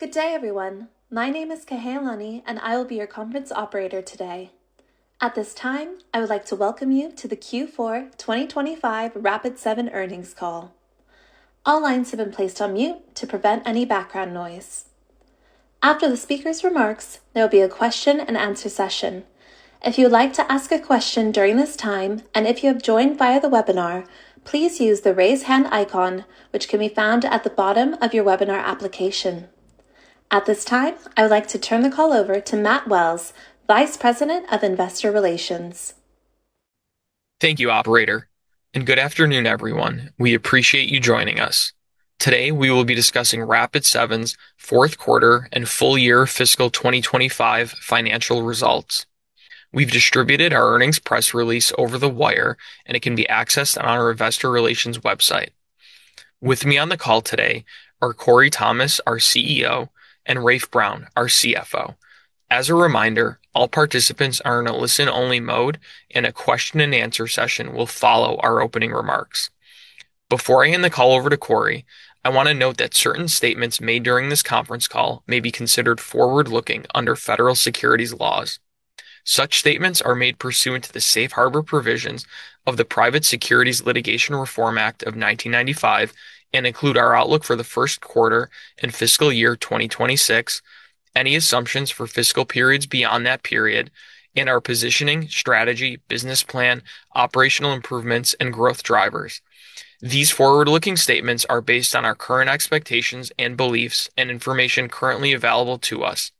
Good day, everyone. My name is Kahi Lonnie, and I will be your conference operator today. At this time, I would like to welcome you to the Q4 2025 Rapid7 earnings call. All lines have been placed on mute to prevent any background noise. After the speaker's remarks, there will be a question-and-answer session. If you would like to ask a question during this time, and if you have joined via the webinar, please use the raise hand icon, which can be found at the bottom of your webinar application. At this time, I would like to turn the call over to Matt Wells, Vice President of Investor Relations. Thank you, operator, and good afternoon, everyone. We appreciate you joining us. Today we will be discussing Rapid7's fourth quarter and full-year fiscal 2025 financial results. We've distributed our earnings press release over the wire, and it can be accessed on our investor relations website. With me on the call today are Corey Thomas, our CEO, and Rafe Brown, our CFO. As a reminder, all participants are in a listen-only mode, and a question-and-answer session will follow our opening remarks. Before I hand the call over to Corey, I want to note that certain statements made during this conference call may be considered forward-looking under federal securities laws. Such statements are made pursuant to the Safe Harbor provisions of the Private Securities Litigation Reform Act of 1995 and include our outlook for the first quarter and fiscal year 2026, any assumptions for fiscal periods beyond that period, and our positioning, strategy, business plan, operational improvements, and growth drivers. These forward-looking statements are based on our current expectations and beliefs and information currently available to us.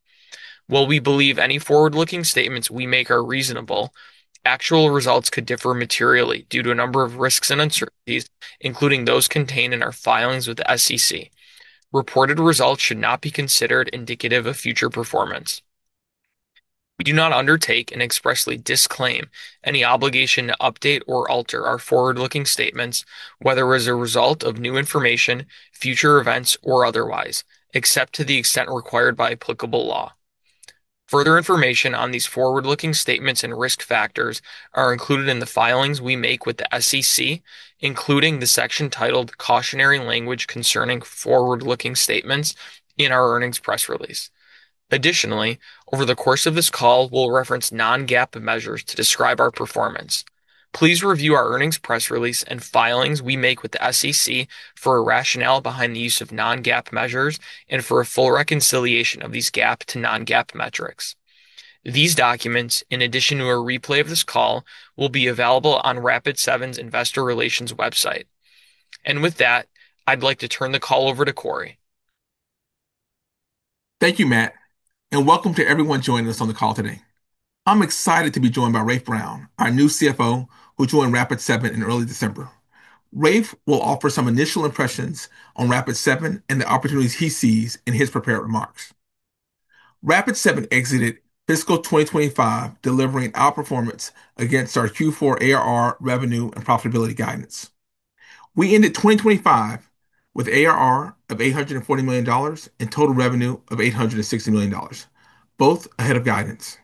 While we believe any forward-looking statements we make are reasonable, actual results could differ materially due to a number of risks and uncertainties, including those contained in our filings with the SEC. Reported results should not be considered indicative of future performance. We do not undertake and expressly disclaim any obligation to update or alter our forward-looking statements, whether as a result of new information, future events, or otherwise, except to the extent required by applicable law. Further information on these forward-looking statements and risk factors are included in the filings we make with the SEC, including the section titled "Cautionary Language Concerning Forward-Looking Statements" in our earnings press release. Additionally, over the course of this call, we'll reference non-GAAP measures to describe our performance. Please review our earnings press release and filings we make with the SEC for a rationale behind the use of non-GAAP measures and for a full reconciliation of these GAAP to non-GAAP metrics. These documents, in addition to a replay of this call, will be available on Rapid7's Investor Relations website. With that, I'd like to turn the call over to Corey. Thank you, Matt, and welcome to everyone joining us on the call today. I'm excited to be joined by Rafe Brown, our new CFO, who joined Rapid7 in early December. Rafe will offer some initial impressions on Rapid7 and the opportunities he sees in his prepared remarks. Rapid7 exited fiscal 2025 delivering outperformance against our Q4 ARR revenue and profitability guidance. We ended 2025 with ARR of $840 million and total revenue of $860 million, both ahead of guidance.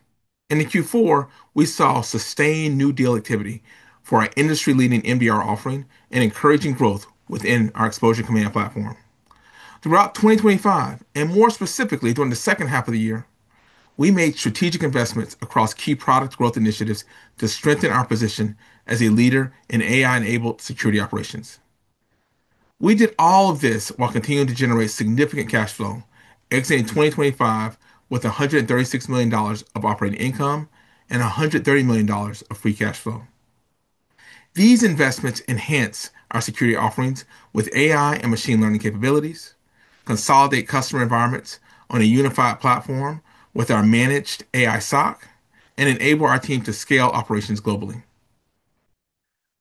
In the Q4, we saw sustained new deal activity for our industry-leading MDR offering and encouraging growth within our Exposure Command platform. Throughout 2025, and more specifically during the second half of the year, we made strategic investments across key product growth initiatives to strengthen our position as a leader in AI-enabled security operations. We did all of this while continuing to generate significant cash flow, exiting 2025 with $136 million of operating income and $130 million of free cash flow. These investments enhance our security offerings with AI and machine learning capabilities, consolidate customer environments on a unified platform with our managed AI SOC, and enable our team to scale operations globally.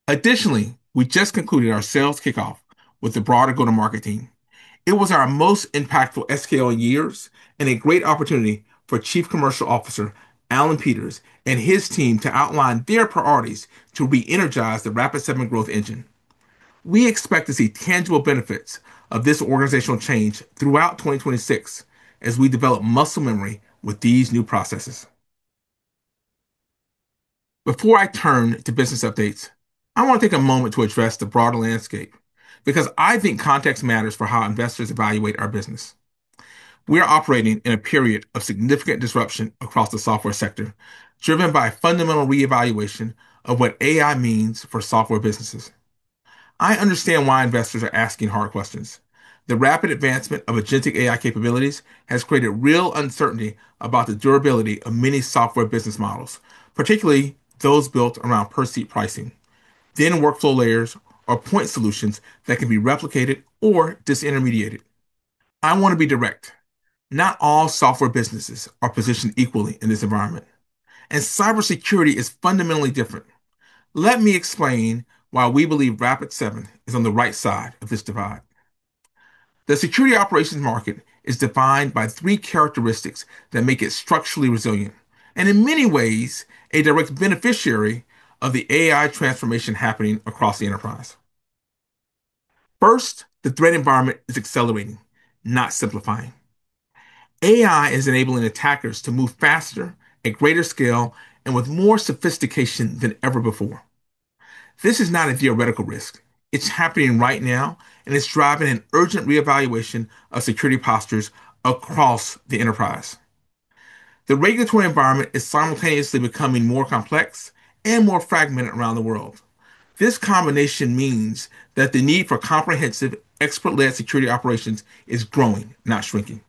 Additionally, we just concluded our sales kickoff with the broader go-to-market team. It was our most impactful SKO in years and a great opportunity for Chief Commercial Officer Alan Peters and his team to outline their priorities to re-energize the Rapid7 growth engine. We expect to see tangible benefits of this organizational change throughout 2026 as we develop muscle memory with these new processes. Before I turn to business updates, I want to take a moment to address the broader landscape because I think context matters for how investors evaluate our business. We are operating in a period of significant disruption across the software sector, driven by a fundamental reevaluation of what AI means for software businesses. I understand why investors are asking hard questions. The rapid advancement of agentic AI capabilities has created real uncertainty about the durability of many software business models, particularly those built around per-seat pricing, thin workflow layers, or point solutions that can be replicated or disintermediated. I want to be direct. Not all software businesses are positioned equally in this environment, and cybersecurity is fundamentally different. Let me explain why we believe Rapid7 is on the right side of this divide. The security operations market is defined by three characteristics that make it structurally resilient and, in many ways, a direct beneficiary of the AI transformation happening across the enterprise. First, the threat environment is accelerating, not simplifying. AI is enabling attackers to move faster, at greater scale, and with more sophistication than ever before. This is not a theoretical risk. It's happening right now, and it's driving an urgent reevaluation of security postures across the enterprise. The regulatory environment is simultaneously becoming more complex and more fragmented around the world. This combination means that the need for comprehensive, expert-led security operations is growing, not shrinking.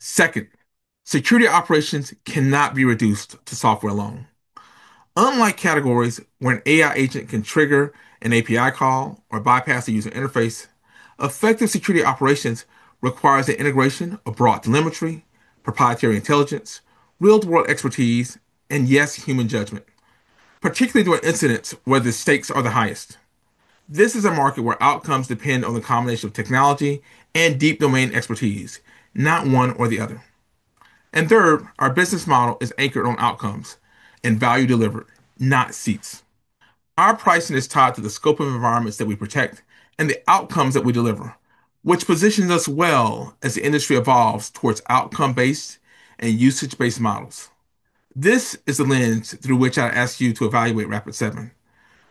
Second, security operations cannot be reduced to software alone. Unlike categories where an AI agent can trigger an API call or bypass a user interface, effective security operations require the integration of broad telemetry, proprietary intelligence, real-world expertise, and, yes, human judgment, particularly during incidents where the stakes are the highest. This is a market where outcomes depend on the combination of technology and deep domain expertise, not one or the other. And third, our business model is anchored on outcomes and value delivered, not seats. Our pricing is tied to the scope of environments that we protect and the outcomes that we deliver, which positions us well as the industry evolves towards outcome-based and usage-based models. This is the lens through which I ask you to evaluate Rapid7.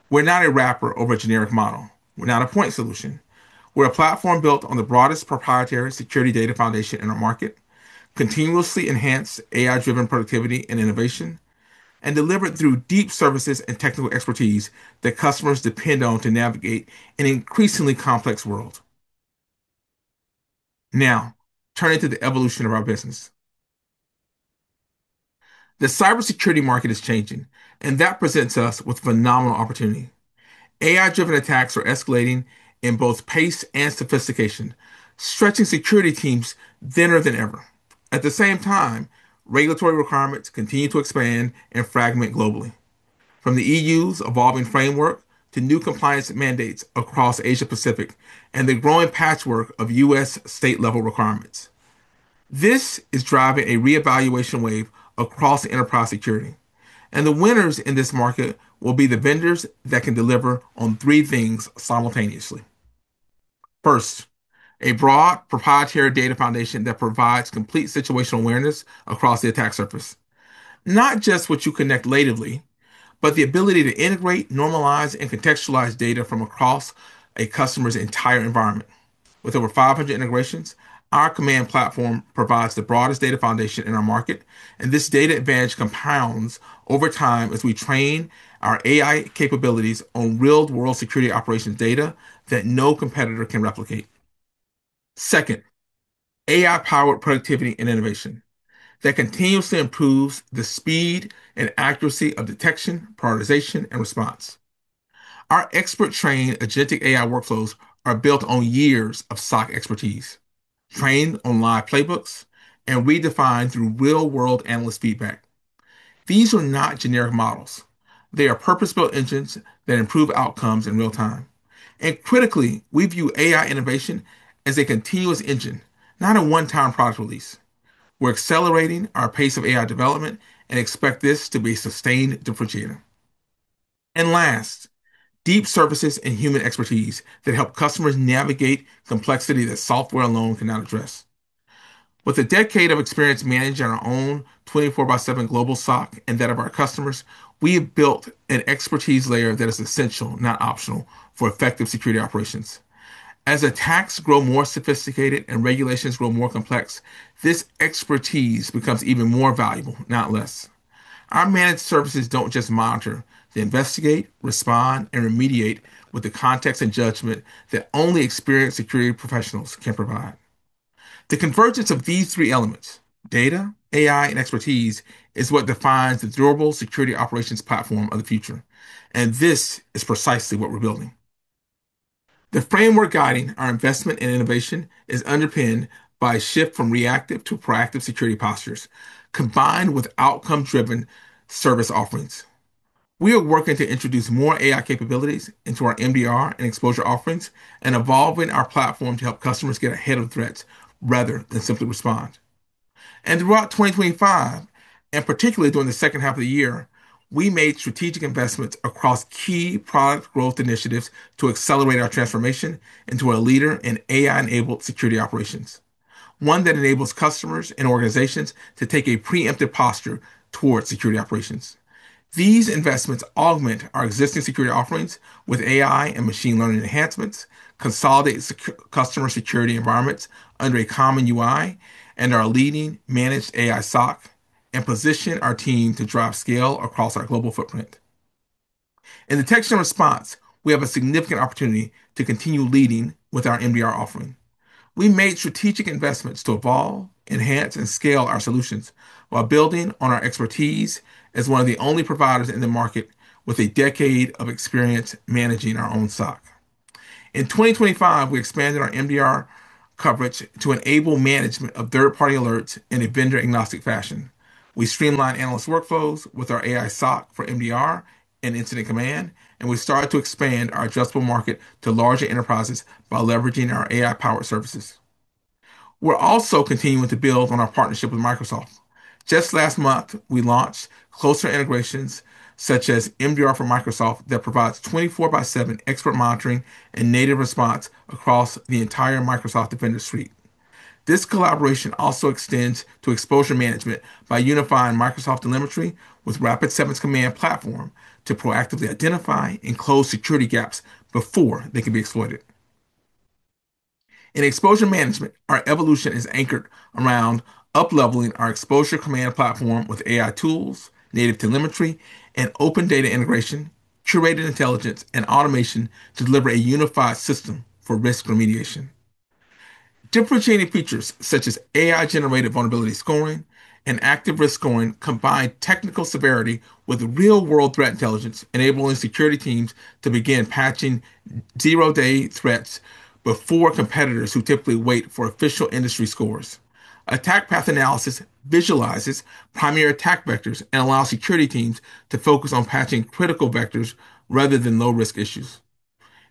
We're not a wrapper over a generic model. We're not a point solution. We're a platform built on the broadest proprietary security data foundation in our market, continuously enhance AI-driven productivity and innovation, and deliver it through deep services and technical expertise that customers depend on to navigate an increasingly complex world. Now, turning to the evolution of our business. The cybersecurity market is changing, and that presents us with phenomenal opportunity. AI-driven attacks are escalating in both pace and sophistication, stretching security teams thinner than ever. At the same time, regulatory requirements continue to expand and fragment globally, from the EU's evolving framework to new compliance mandates across Asia-Pacific and the growing patchwork of U.S. state-level requirements. This is driving a reevaluation wave across enterprise security, and the winners in this market will be the vendors that can deliver on three things simultaneously. First, a broad proprietary data foundation that provides complete situational awareness across the attack surface, not just what you connect natively, but the ability to integrate, normalize, and contextualize data from across a customer's entire environment. With over 500 integrations, our Command Platform provides the broadest data foundation in our market, and this data advantage compounds over time as we train our AI capabilities on real-world security operations data that no competitor can replicate. Second, AI-powered productivity and innovation that continuously improves the speed and accuracy of detection, prioritization, and response. Our expert-trained agentic AI workflows are built on years of SOC expertise, trained on live playbooks, and redefined through real-world analyst feedback. These are not generic models. They are purpose-built engines that improve outcomes in real time. And critically, we view AI innovation as a continuous engine, not a one-time product release. We're accelerating our pace of AI development and expect this to be a sustained differentiator. And last, deep services and human expertise that help customers navigate complexity that software alone cannot address. With a decade of experience managing our own 24/7 global SOC and that of our customers, we have built an expertise layer that is essential, not optional, for effective security operations. As attacks grow more sophisticated and regulations grow more complex, this expertise becomes even more valuable, not less. Our managed services don't just monitor. They investigate, respond, and remediate with the context and judgment that only experienced security professionals can provide. The convergence of these three elements, data, AI, and expertise, is what defines the durable security operations platform of the future, and this is precisely what we're building. The framework guiding our investment in innovation is underpinned by a shift from reactive to proactive security postures, combined with outcome-driven service offerings. We are working to introduce more AI capabilities into our MDR and exposure offerings and evolving our platform to help customers get ahead of threats rather than simply respond. Throughout 2025, and particularly during the second half of the year, we made strategic investments across key product growth initiatives to accelerate our transformation into a leader in AI-enabled security operations, one that enables customers and organizations to take a preemptive posture towards security operations. These investments augment our existing security offerings with AI and machine learning enhancements, consolidate customer security environments under a common UI, and our leading managed AI SOC, and position our team to drive scale across our global footprint. In detection and response, we have a significant opportunity to continue leading with our MDR offering. We made strategic investments to evolve, enhance, and scale our solutions while building on our expertise as one of the only providers in the market with a decade of experience managing our own SOC. In 2025, we expanded our MDR coverage to enable management of third-party alerts in a vendor-agnostic fashion. We streamlined analyst workflows with our AI SOC for MDR and Incident Command, and we started to expand our addressable market to larger enterprises by leveraging our AI-powered services. We're also continuing to build on our partnership with Microsoft. Just last month, we launched closer integrations such as MDR for Microsoft that provides 24/7 expert monitoring and native response across the entire Microsoft Defender suite. This collaboration also extends to exposure management by unifying Microsoft telemetry with Rapid7's Command Platform to proactively identify and close security gaps before they can be exploited. In exposure management, our evolution is anchored around upleveling our Exposure Command platform with AI tools, native telemetry, and open data integration, curated intelligence, and automation to deliver a unified system for risk remediation. Differentiating features such as AI-generated vulnerability scoring and Active Risk Scoring combine technical severity with real-world threat intelligence, enabling security teams to begin patching zero-day threats before competitors who typically wait for official industry scores. Attack Path Analysis visualizes primary attack vectors and allows security teams to focus on patching critical vectors rather than low-risk issues.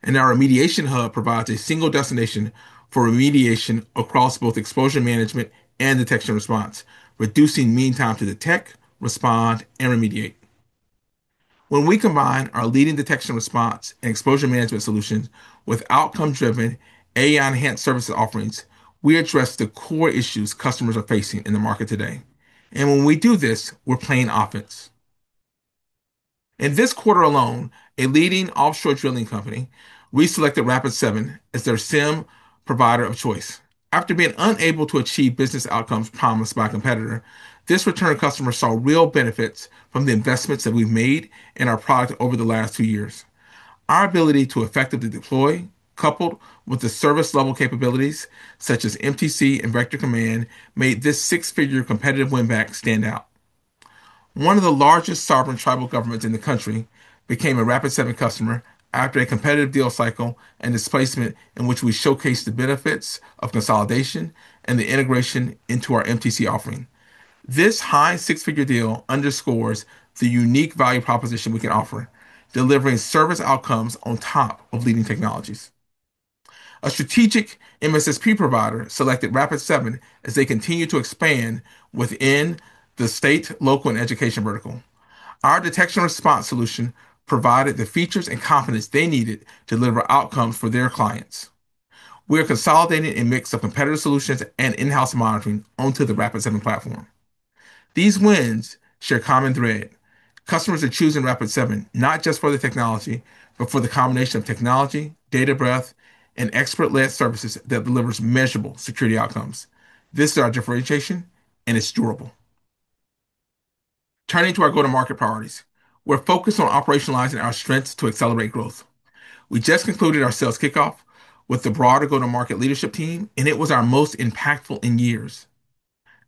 And our Remediation Hub provides a single destination for remediation across both exposure management and detection response, reducing mean time to detect, respond, and remediate. When we combine our leading detection response and exposure management solutions with outcome-driven AI-enhanced services offerings, we address the core issues customers are facing in the market today. When we do this, we're playing offense. In this quarter alone, a leading offshore drilling company selected Rapid7 as their SIEM provider of choice. After being unable to achieve business outcomes promised by a competitor, this returning customer saw real benefits from the investments that we've made in our product over the last two years. Our ability to effectively deploy, coupled with the service-level capabilities such as MTC and Vector Command, made this six-figure competitive winback stand out. One of the largest sovereign tribal governments in the country became a Rapid7 customer after a competitive deal cycle and displacement in which we showcased the benefits of consolidation and the integration into our MTC offering. This high six-figure deal underscores the unique value proposition we can offer, delivering service outcomes on top of leading technologies. A strategic MSSP provider selected Rapid7 as they continue to expand within the state, local, and education vertical. Our detection and response solution provided the features and confidence they needed to deliver outcomes for their clients. We are consolidating a mix of competitive solutions and in-house monitoring onto the Rapid7 platform. These wins share a common thread. Customers are choosing Rapid7 not just for the technology, but for the combination of technology, data breadth, and expert-led services that delivers measurable security outcomes. This is our differentiation, and it's durable. Turning to our go-to-market priorities, we're focused on operationalizing our strengths to accelerate growth. We just concluded our sales kickoff with the broader go-to-market leadership team, and it was our most impactful in years.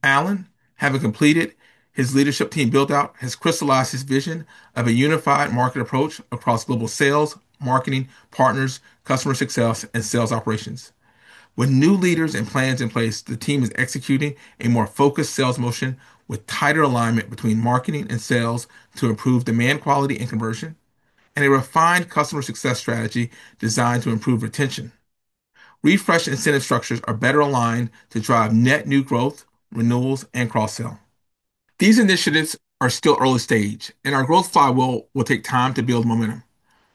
Alan, having completed his leadership team build-out, has crystallized his vision of a unified market approach across global sales, marketing, partners, customer success, and sales operations. With new leaders and plans in place, the team is executing a more focused sales motion with tighter alignment between marketing and sales to improve demand quality and conversion, and a refined customer success strategy designed to improve retention. Refreshed incentive structures are better aligned to drive net new growth, renewals, and cross-sell. These initiatives are still early stage, and our growth flywheel will take time to build momentum.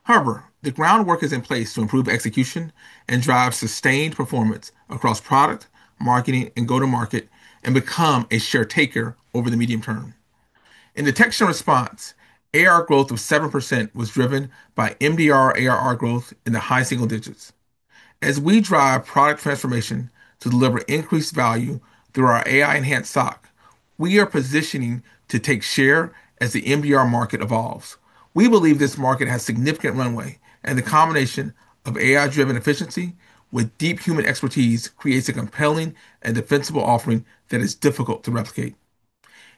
However, the groundwork is in place to improve execution and drive sustained performance across product, marketing, and go-to-market and become a share-taker over the medium term. In detection and response, ARR growth of 7% was driven by MDR ARR growth in the high single digits. As we drive product transformation to deliver increased value through our AI-enhanced SOC, we are positioning to take share as the MDR market evolves. We believe this market has significant runway, and the combination of AI-driven efficiency with deep human expertise creates a compelling and defensible offering that is difficult to replicate.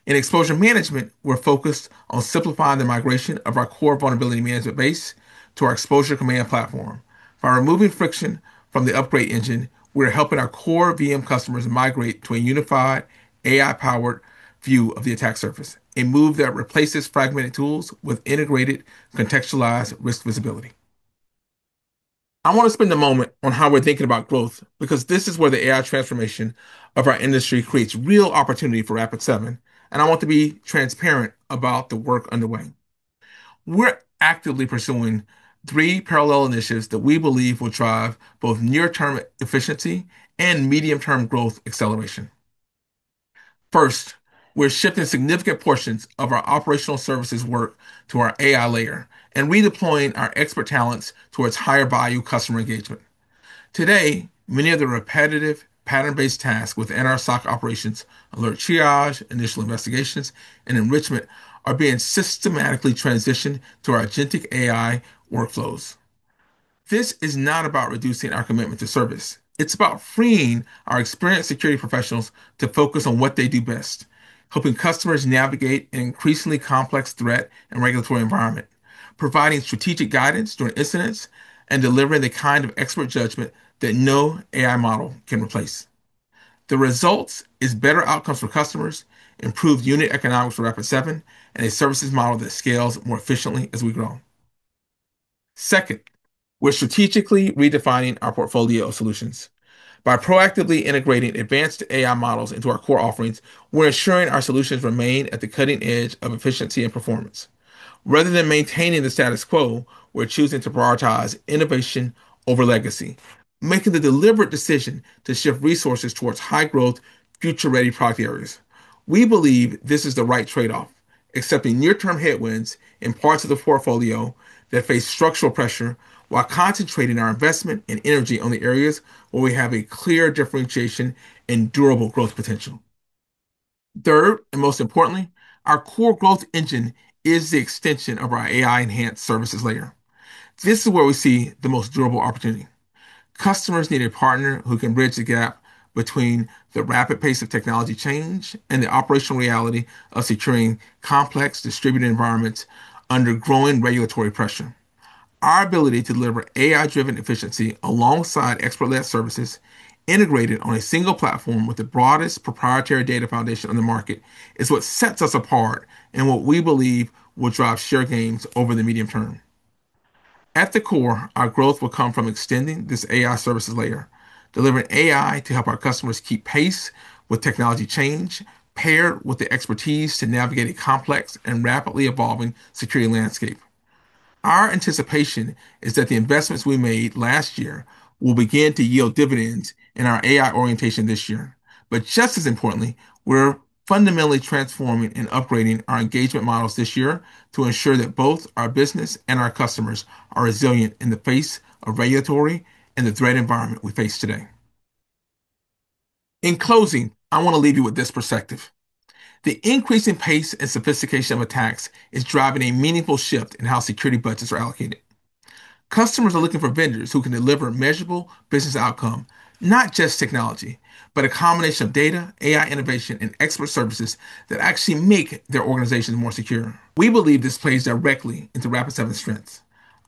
In exposure management, we're focused on simplifying the migration of our core vulnerability management base to our Exposure Command platform. By removing friction from the upgrade engine, we are helping our core VM customers migrate to a unified AI-powered view of the attack surface and move that replaces fragmented tools with integrated, contextualized risk visibility. I want to spend a moment on how we're thinking about growth, because this is where the AI transformation of our industry creates real opportunity for Rapid7, and I want to be transparent about the work underway. We're actively pursuing three parallel initiatives that we believe will drive both near-term efficiency and medium-term growth acceleration. First, we're shifting significant portions of our operational services work to our AI layer and redeploying our expert talents towards higher-value customer engagement. Today, many of the repetitive, pattern-based tasks within our SOC operations, alert triage, initial investigations, and enrichment, are being systematically transitioned to our agentic AI workflows. This is not about reducing our commitment to service. It's about freeing our experienced security professionals to focus on what they do best, helping customers navigate an increasingly complex threat and regulatory environment, providing strategic guidance during incidents, and delivering the kind of expert judgment that no AI model can replace. The results are better outcomes for customers, improved unit economics for Rapid7, and a services model that scales more efficiently as we grow. Second, we're strategically redefining our portfolio of solutions. By proactively integrating advanced AI models into our core offerings, we're ensuring our solutions remain at the cutting edge of efficiency and performance. Rather than maintaining the status quo, we're choosing to prioritize innovation over legacy, making the deliberate decision to shift resources towards high-growth, future-ready product areas. We believe this is the right trade-off: accepting near-term headwinds in parts of the portfolio that face structural pressure while concentrating our investment and energy on the areas where we have a clear differentiation and durable growth potential. Third, and most importantly, our core growth engine is the extension of our AI-enhanced services layer. This is where we see the most durable opportunity. Customers need a partner who can bridge the gap between the rapid pace of technology change and the operational reality of securing complex, distributed environments under growing regulatory pressure. Our ability to deliver AI-driven efficiency alongside expert-led services integrated on a single platform with the broadest proprietary data foundation on the market is what sets us apart and what we believe will drive share gains over the medium term. At the core, our growth will come from extending this AI services layer, delivering AI to help our customers keep pace with technology change, paired with the expertise to navigate a complex and rapidly evolving security landscape. Our anticipation is that the investments we made last year will begin to yield dividends in our AI orientation this year. But just as importantly, we're fundamentally transforming and upgrading our engagement models this year to ensure that both our business and our customers are resilient in the face of regulatory and the threat environment we face today. In closing, I want to leave you with this perspective: the increasing pace and sophistication of attacks is driving a meaningful shift in how security budgets are allocated. Customers are looking for vendors who can deliver measurable business outcomes, not just technology, but a combination of data, AI innovation, and expert services that actually make their organizations more secure. We believe this plays directly into Rapid7's strengths.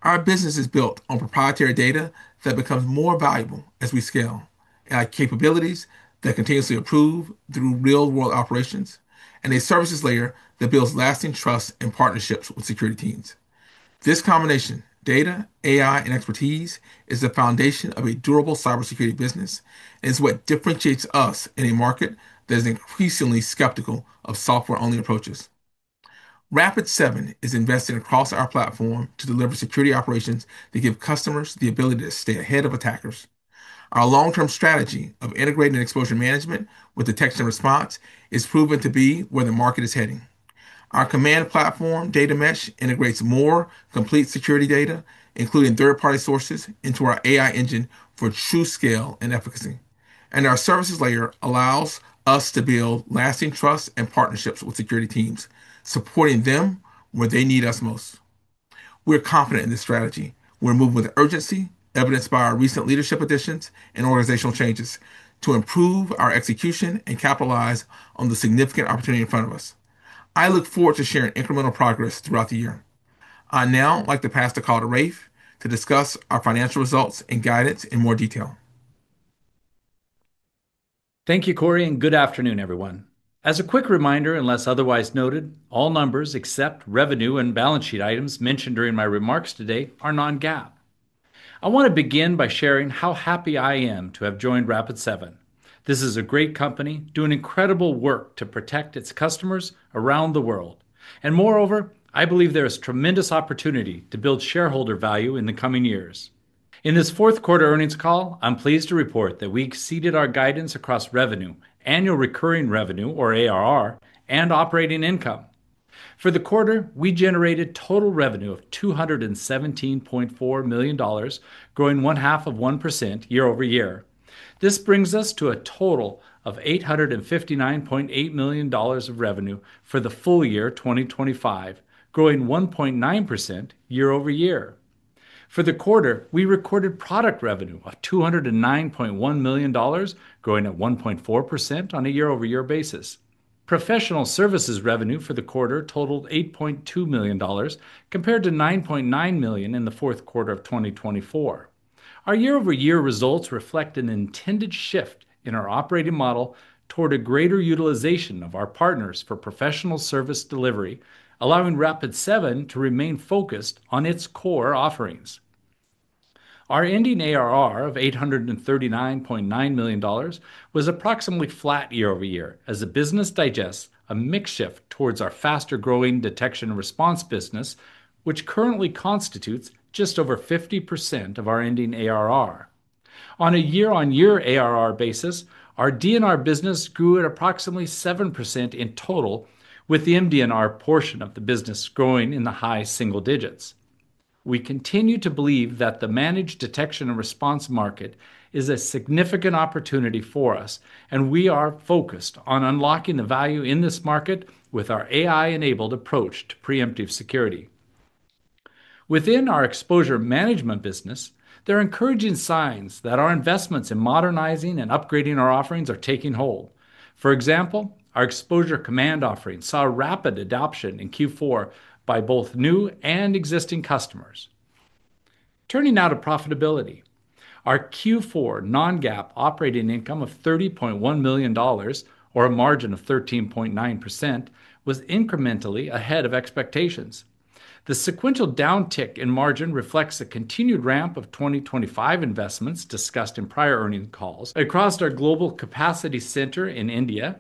Our business is built on proprietary data that becomes more valuable as we scale, AI capabilities that continuously improve through real-world operations, and a services layer that builds lasting trust and partnerships with security teams. This combination - data, AI, and expertise - is the foundation of a durable cybersecurity business and is what differentiates us in a market that is increasingly skeptical of software-only approaches. Rapid7 is investing across our platform to deliver security operations that give customers the ability to stay ahead of attackers. Our long-term strategy of integrating exposure management with detection and response is proven to be where the market is heading. Our Command Platform, Data Mesh, integrates more complete security data, including third-party sources, into our AI engine for true scale and efficacy. Our services layer allows us to build lasting trust and partnerships with security teams, supporting them where they need us most. We're confident in this strategy. We're moving with urgency, evidenced by our recent leadership additions and organizational changes, to improve our execution and capitalize on the significant opportunity in front of us. I look forward to sharing incremental progress throughout the year. I now like to pass the call to Rafe to discuss our financial results and guidance in more detail. Thank you, Corey, and good afternoon, everyone. As a quick reminder, unless otherwise noted, all numbers except revenue and balance sheet items mentioned during my remarks today are non-GAAP. I want to begin by sharing how happy I am to have joined Rapid7. This is a great company doing incredible work to protect its customers around the world. Moreover, I believe there is tremendous opportunity to build shareholder value in the coming years. In this fourth quarter earnings call, I'm pleased to report that we exceeded our guidance across revenue, annual recurring revenue or ARR, and operating income. For the quarter, we generated total revenue of $217.4 million, growing 0.5% year-over-year. This brings us to a total of $859.8 million of revenue for the full year 2025, growing 1.9% year-over-year. For the quarter, we recorded product revenue of $209.1 million, growing at 1.4% on a year-over-year basis. Professional services revenue for the quarter totaled $8.2 million, compared to $9.9 million in the fourth quarter of 2024. Our year-over-year results reflect an intended shift in our operating model toward a greater utilization of our partners for professional service delivery, allowing Rapid7 to remain focused on its core offerings. Our ending ARR of $839.9 million was approximately flat year-over-year as the business digests a mixed shift towards our faster-growing detection and response business, which currently constitutes just over 50% of our ending ARR. On a year-over-year ARR basis, our DNR business grew at approximately 7% in total, with the MDR portion of the business growing in the high single digits. We continue to believe that the managed detection and response market is a significant opportunity for us, and we are focused on unlocking the value in this market with our AI-enabled approach to preemptive security. Within our exposure management business, there are encouraging signs that our investments in modernizing and upgrading our offerings are taking hold. For example, our Exposure Command offering saw rapid adoption in Q4 by both new and existing customers. Turning now to profitability, our Q4 non-GAAP operating income of $30.1 million, or a margin of 13.9%, was incrementally ahead of expectations. The sequential downtick in margin reflects the continued ramp of 2025 investments discussed in prior earnings calls across our global capacity center in India,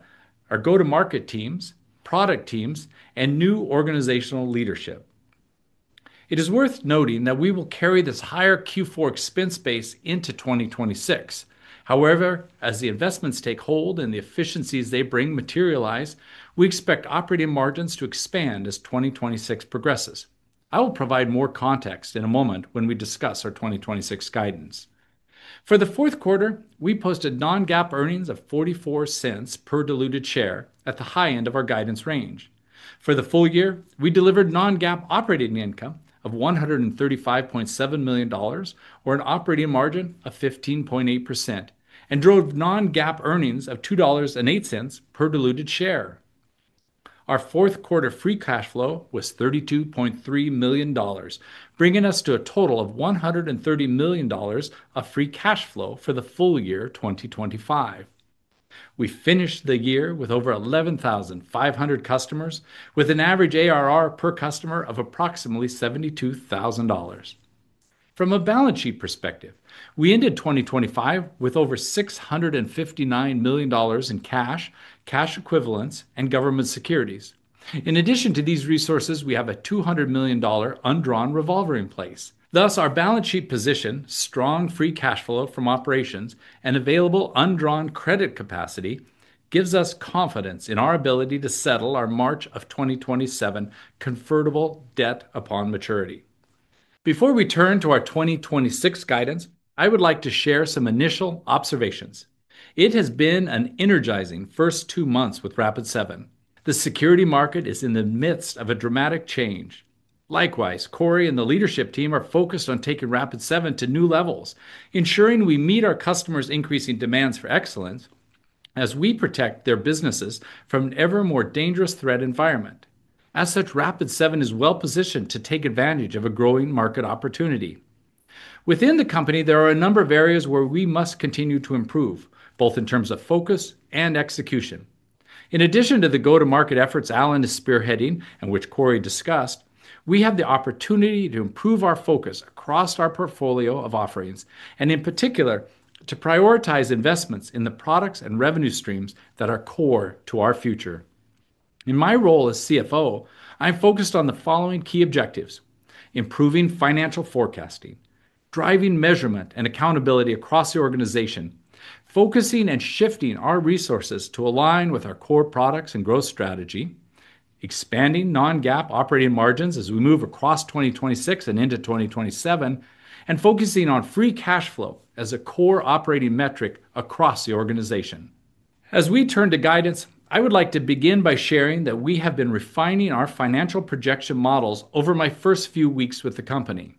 our go-to-market teams, product teams, and new organizational leadership. It is worth noting that we will carry this higher Q4 expense base into 2026. However, as the investments take hold and the efficiencies they bring materialize, we expect operating margins to expand as 2026 progresses. I will provide more context in a moment when we discuss our 2026 guidance. For the fourth quarter, we posted non-GAAP earnings of $0.44 per diluted share at the high end of our guidance range. For the full year, we delivered non-GAAP operating income of $135.7 million, or an operating margin of 15.8%, and drove non-GAAP earnings of $2.08 per diluted share. Our fourth quarter free cash flow was $32.3 million, bringing us to a total of $130 million of free cash flow for the full year 2025. We finished the year with over 11,500 customers, with an average ARR per customer of approximately $72,000. From a balance sheet perspective, we ended 2025 with over $659 million in cash, cash equivalents, and government securities. In addition to these resources, we have a $200 million undrawn revolver in place. Thus, our balance sheet position, strong free cash flow from operations and available undrawn credit capacity, gives us confidence in our ability to settle our March of 2027 convertible debt upon maturity. Before we turn to our 2026 guidance, I would like to share some initial observations. It has been an energizing first two months with Rapid7. The security market is in the midst of a dramatic change. Likewise, Corey and the leadership team are focused on taking Rapid7 to new levels, ensuring we meet our customers' increasing demands for excellence as we protect their businesses from an ever more dangerous threat environment. As such, Rapid7 is well positioned to take advantage of a growing market opportunity. Within the company, there are a number of areas where we must continue to improve, both in terms of focus and execution. In addition to the go-to-market efforts Alan is spearheading and which Corey discussed, we have the opportunity to improve our focus across our portfolio of offerings and, in particular, to prioritize investments in the products and revenue streams that are core to our future. In my role as CFO, I'm focused on the following key objectives: improving financial forecasting, driving measurement and accountability across the organization, focusing and shifting our resources to align with our core products and growth strategy, expanding non-GAAP operating margins as we move across 2026 and into 2027, and focusing on free cash flow as a core operating metric across the organization. As we turn to guidance, I would like to begin by sharing that we have been refining our financial projection models over my first few weeks with the company.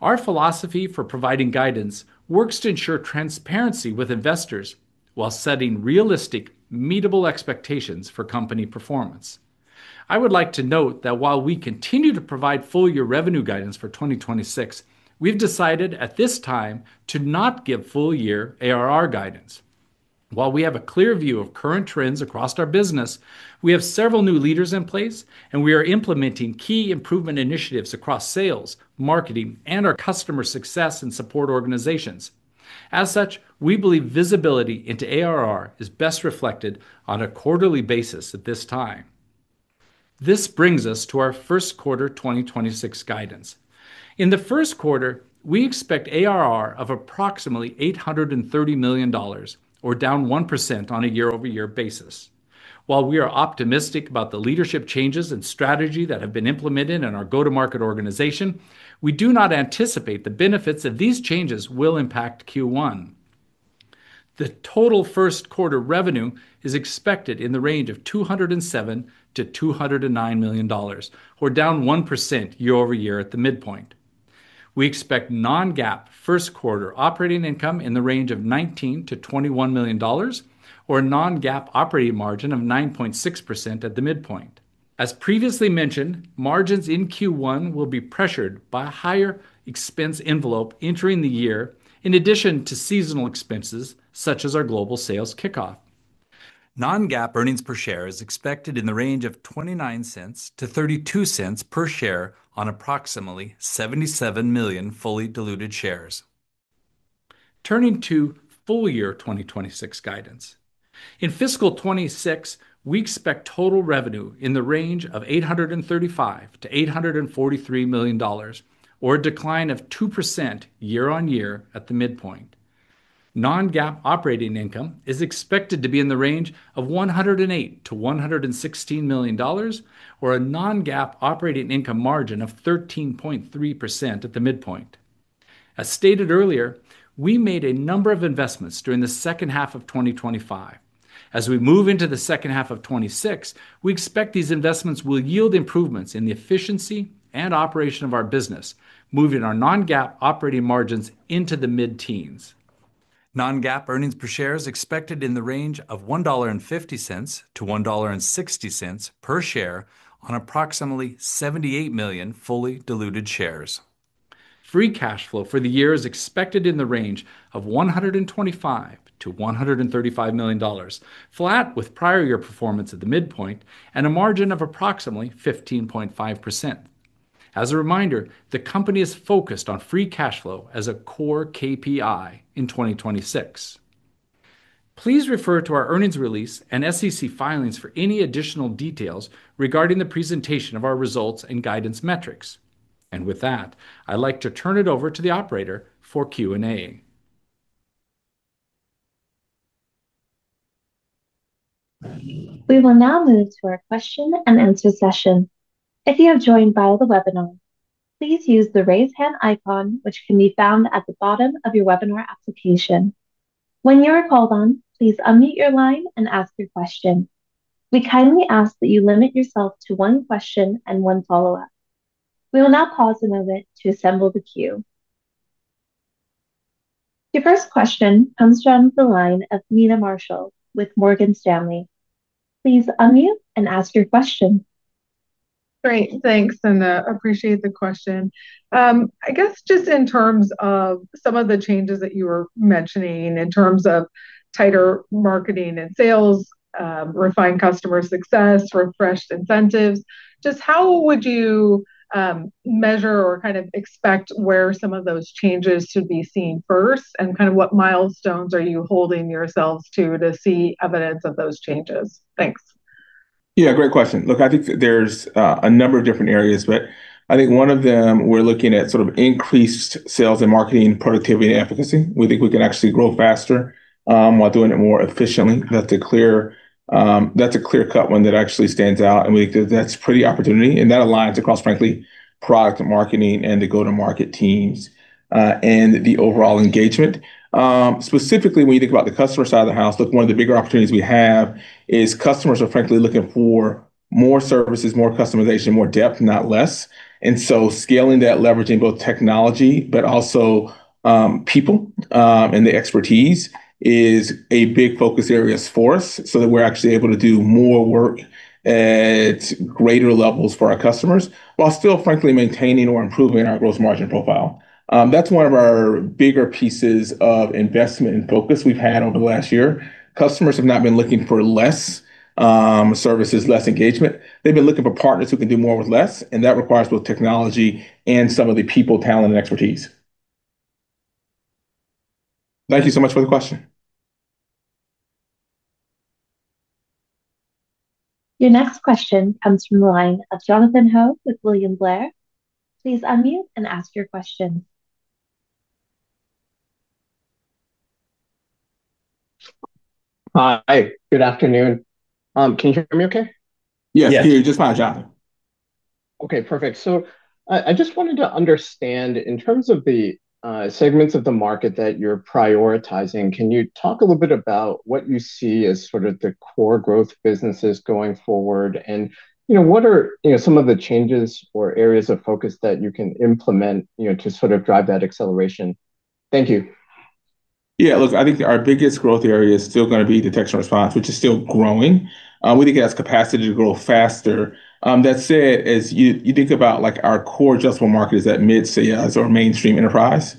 Our philosophy for providing guidance works to ensure transparency with investors while setting realistic, meetable expectations for company performance. I would like to note that while we continue to provide full-year revenue guidance for 2026, we've decided at this time to not give full-year ARR guidance. While we have a clear view of current trends across our business, we have several new leaders in place, and we are implementing key improvement initiatives across sales, marketing, and our customer success and support organizations. As such, we believe visibility into ARR is best reflected on a quarterly basis at this time. This brings us to our first quarter 2026 guidance. In the first quarter, we expect ARR of approximately $830 million, or down 1% on a year-over-year basis. While we are optimistic about the leadership changes and strategy that have been implemented in our go-to-market organization, we do not anticipate the benefits of these changes will impact Q1. The total first quarter revenue is expected in the range of $207-$209 million, or down 1% year-over-year at the midpoint. We expect non-GAAP first quarter operating income in the range of $19 million-$21 million, or a non-GAAP operating margin of 9.6% at the midpoint. As previously mentioned, margins in Q1 will be pressured by a higher expense envelope entering the year, in addition to seasonal expenses such as our global sales kickoff. Non-GAAP earnings per share is expected in the range of $0.29-$0.32 per share on approximately 77 million fully diluted shares. Turning to full-year 2026 guidance. In fiscal 2026, we expect total revenue in the range of $835 million-$843 million, or a decline of 2% year-over-year at the midpoint. Non-GAAP operating income is expected to be in the range of $108 million-$116 million, or a non-GAAP operating income margin of 13.3% at the midpoint. As stated earlier, we made a number of investments during the second half of 2025. As we move into the second half of 2026, we expect these investments will yield improvements in the efficiency and operation of our business, moving our non-GAAP operating margins into the mid-teens. Non-GAAP earnings per share is expected in the range of $1.50-$1.60 per share on approximately 78 million fully diluted shares. Free cash flow for the year is expected in the range of $125 million-$135 million, flat with prior-year performance at the midpoint, and a margin of approximately 15.5%. As a reminder, the company is focused on free cash flow as a core KPI in 2026. Please refer to our earnings release and SEC filings for any additional details regarding the presentation of our results and guidance metrics. With that, I'd like to turn it over to the operator for Q&A. We will now move to our question-and-answer session. If you have joined via the webinar, please use the raise hand icon, which can be found at the bottom of your webinar application. When you are called on, please unmute your line and ask your question. We kindly ask that you limit yourself to one question and one follow-up. We will now pause a moment to assemble the queue. Your first question comes from the line of Meta Marshall with Morgan Stanley. Please unmute and ask your question. Great. Thanks. And I appreciate the question. I guess just in terms of some of the changes that you were mentioning, in terms of tighter marketing and sales, refined customer success, refreshed incentives, just how would you measure or kind of expect where some of those changes to be seen first, and kind of what milestones are you holding yourselves to to see evidence of those changes? Thanks. Yeah, great question. Look, I think there's a number of different areas, but I think one of them we're looking at sort of increased sales and marketing productivity and efficacy. We think we can actually grow faster while doing it more efficiently. That's a clear-cut one that actually stands out. And we think that that's a pretty opportunity. And that aligns across, frankly, product and marketing and the go-to-market teams and the overall engagement. Specifically, when you think about the customer side of the house, look, one of the bigger opportunities we have is customers are, frankly, looking for more services, more customization, more depth, not less. And so scaling that, leveraging both technology but also people and the expertise is a big focus area for us so that we're actually able to do more work at greater levels for our customers while still, frankly, maintaining or improving our gross margin profile. That's one of our bigger pieces of investment and focus we've had over the last year. Customers have not been looking for less services, less engagement. They've been looking for partners who can do more with less. And that requires both technology and some of the people, talent, and expertise. Thank you so much for the question. Your next question comes from the line of Jonathan Ho with William Blair. Please unmute and ask your question. Hi. Good afternoon. Can you hear me okay? Yes. Yeah. Just fine, Jonathan. Okay. Perfect. So I just wanted to understand, in terms of the segments of the market that you're prioritizing, can you talk a little bit about what you see as sort of the core growth businesses going forward, and what are some of the changes or areas of focus that you can implement to sort of drive that acceleration? Thank you. Yeah. Look, I think our biggest growth area is still going to be detection response, which is still growing. We think it has capacity to grow faster. That said, as you think about our core addressable market is that mid-sales or mainstream enterprise,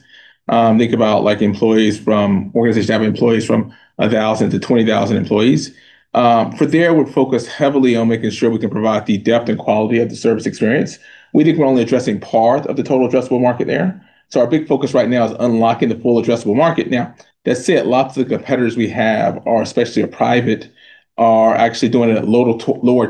think about employees from organizations that have employees from 1,000 to 20,000 employees. From there, we're focused heavily on making sure we can provide the depth and quality of the service experience. We think we're only addressing part of the total addressable market there. So our big focus right now is unlocking the full addressable market. Now, that said, lots of the competitors we have, especially private, are actually doing it at lower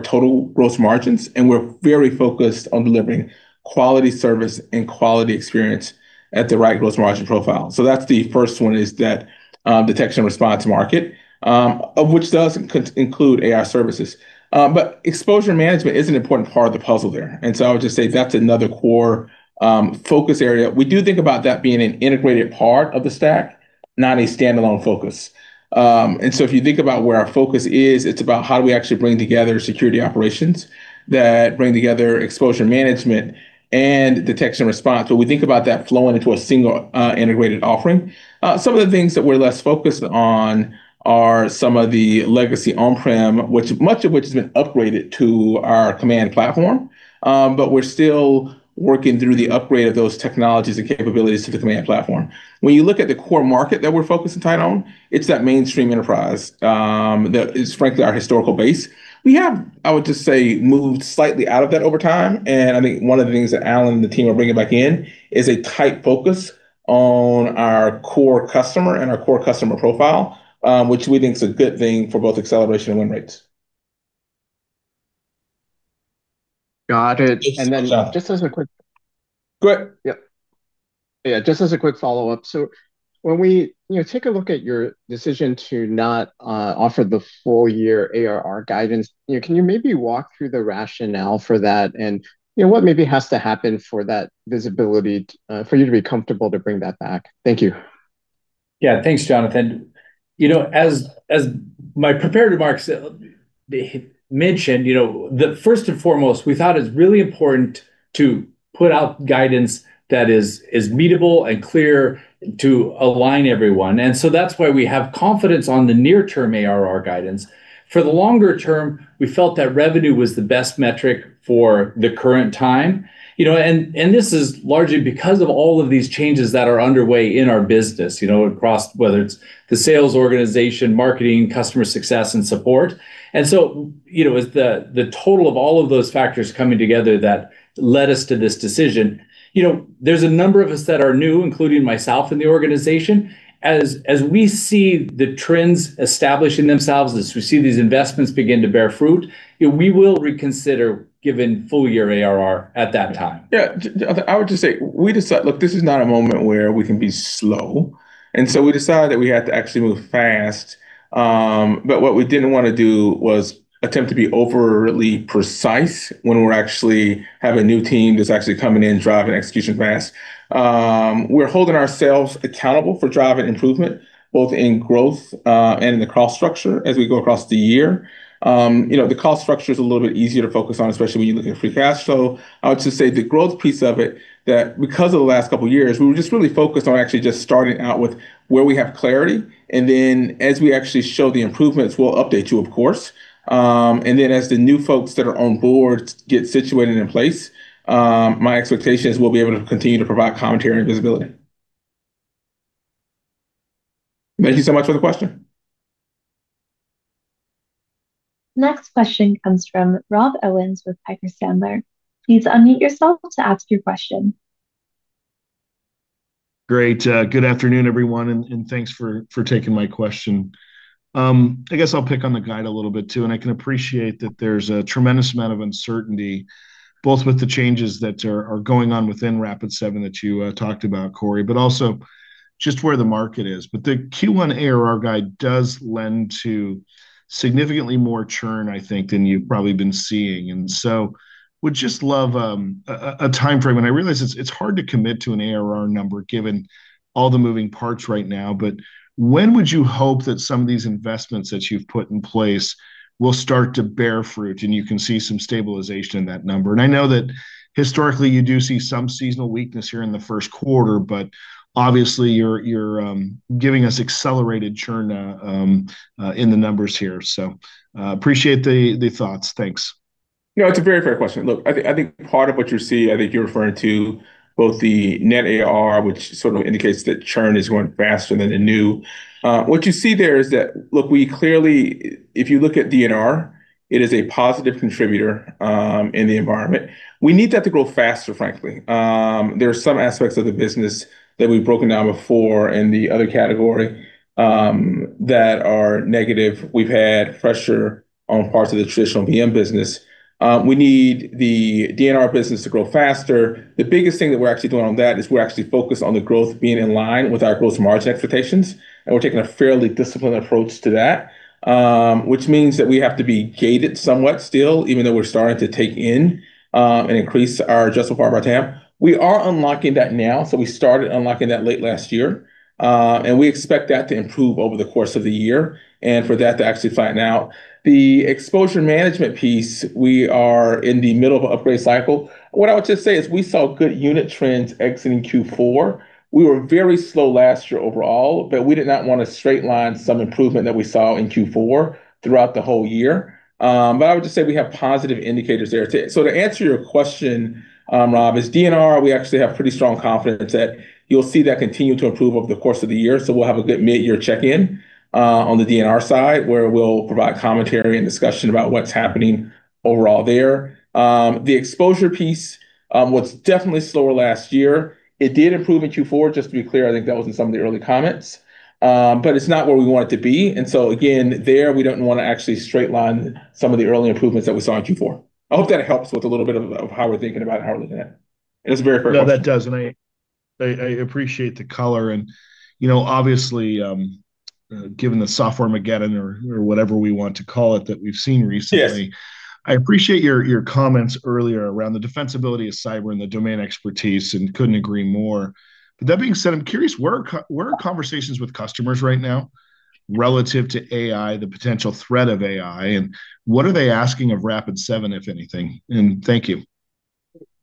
total gross margins. We're very focused on delivering quality service and quality experience at the right gross margin profile. So that's the first one, is the detection and response market, of which does include AI services. But exposure management is an important part of the puzzle there. So I would just say that's another core focus area. We do think about that being an integrated part of the stack, not a standalone focus. And so if you think about where our focus is, it's about how do we actually bring together security operations that bring together exposure management and detection response, but we think about that flowing into a single integrated offering. Some of the things that we're less focused on are some of the legacy on-prem, much of which has been upgraded to our Command Platform, but we're still working through the upgrade of those technologies and capabilities to the Command Platform. When you look at the core market that we're focused and tied on, it's that mainstream enterprise that is, frankly, our historical base. We have, I would just say, moved slightly out of that over time. And I think one of the things that Alan and the team are bringing back in is a tight focus on our core customer and our core customer profile, which we think is a good thing for both acceleration and win rates. Got it. And then just as a quick Go ahead. Yeah. Yeah. Just as a quick follow-up. So when we take a look at your decision to not offer the full-year ARR guidance, can you maybe walk through the rationale for that and what maybe has to happen for that visibility for you to be comfortable to bring that back? Thank you. Yeah. Thanks, Jonathan. As my prepared remarks mentioned, first and foremost, we thought it's really important to put out guidance that is meetable and clear to align everyone. And so that's why we have confidence on the near-term ARR guidance. For the longer term, we felt that revenue was the best metric for the current time. This is largely because of all of these changes that are underway in our business across, whether it's the sales organization, marketing, customer success, and support. So it's the total of all of those factors coming together that led us to this decision. There's a number of us that are new, including myself in the organization. As we see the trends establishing themselves, as we see these investments begin to bear fruit, we will reconsider giving full-year ARR at that time. Yeah. I would just say we decide, "Look, this is not a moment where we can be slow." So we decide that we have to actually move fast. But what we didn't want to do was attempt to be overly precise when we're actually having a new team that's actually coming in, driving execution fast. We're holding ourselves accountable for driving improvement, both in growth and in the cost structure as we go across the year. The cost structure is a little bit easier to focus on, especially when you're looking at free cash flow. I would just say the growth piece of it, that because of the last couple of years, we were just really focused on actually just starting out with where we have clarity. And then as we actually show the improvements, we'll update you, of course. And then as the new folks that are on board get situated in place, my expectation is we'll be able to continue to provide commentary and visibility. Thank you so much for the question. Next question comes from Rob Owens with Piper Sandler. Please unmute yourself to ask your question. Great. Good afternoon, everyone. And thanks for taking my question. I guess I'll pick on the guide a little bit too. And I can appreciate that there's a tremendous amount of uncertainty, both with the changes that are going on within Rapid7 that you talked about, Corey, but also just where the market is. But the Q1 ARR guide does lend to significantly more churn, I think, than you've probably been seeing. And so would just love a time frame. And I realize it's hard to commit to an ARR number given all the moving parts right now. But when would you hope that some of these investments that you've put in place will start to bear fruit and you can see some stabilization in that number? And I know that historically, you do see some seasonal weakness here in the first quarter, but obviously, you're giving us accelerated churn in the numbers here. So appreciate the thoughts. Thanks. It's a very fair question. Look, I think part of what you see, I think you're referring to both the net ARR, which sort of indicates that churn is going faster than the new. What you see there is that, look, if you look at DNR, it is a positive contributor in the environment. We need that to grow faster, frankly. There are some aspects of the business that we've broken down before in the other category that are negative. We've had pressure on parts of the traditional VM business. We need the DNR business to grow faster. The biggest thing that we're actually doing on that is we're actually focused on the growth being in line with our gross margin expectations. We're taking a fairly disciplined approach to that, which means that we have to be gated somewhat still, even though we're starting to take in and increase our adjustable part of our TAM. We are unlocking that now. We started unlocking that late last year. We expect that to improve over the course of the year and for that to actually flatten out. The exposure management piece, we are in the middle of an upgrade cycle. What I would just say is we saw good unit trends exiting Q4. We were very slow last year overall, but we did not want to straight-line some improvement that we saw in Q4 throughout the whole year. But I would just say we have positive indicators there. So to answer your question, Rob, is DNR, we actually have pretty strong confidence that you'll see that continue to improve over the course of the year. So we'll have a good mid-year check-in on the DNR side where we'll provide commentary and discussion about what's happening overall there. The exposure piece, what's definitely slower last year, it did improve in Q4. Just to be clear, I think that was in some of the early comments. But it's not where we want it to be. And so again, there, we don't want to actually straight-line some of the early improvements that we saw in Q4. I hope that helps with a little bit of how we're thinking about it and how we're looking at it. And that's a very fair question. No, that does. And I appreciate the color. And obviously, given the software Armageddon or whatever we want to call it that we've seen recently, I appreciate your comments earlier around the defensibility of cyber and the domain expertise and couldn't agree more. But that being said, I'm curious: where are conversations with customers right now relative to AI, the potential threat of AI, and what are they asking of Rapid7, if anything? And thank you.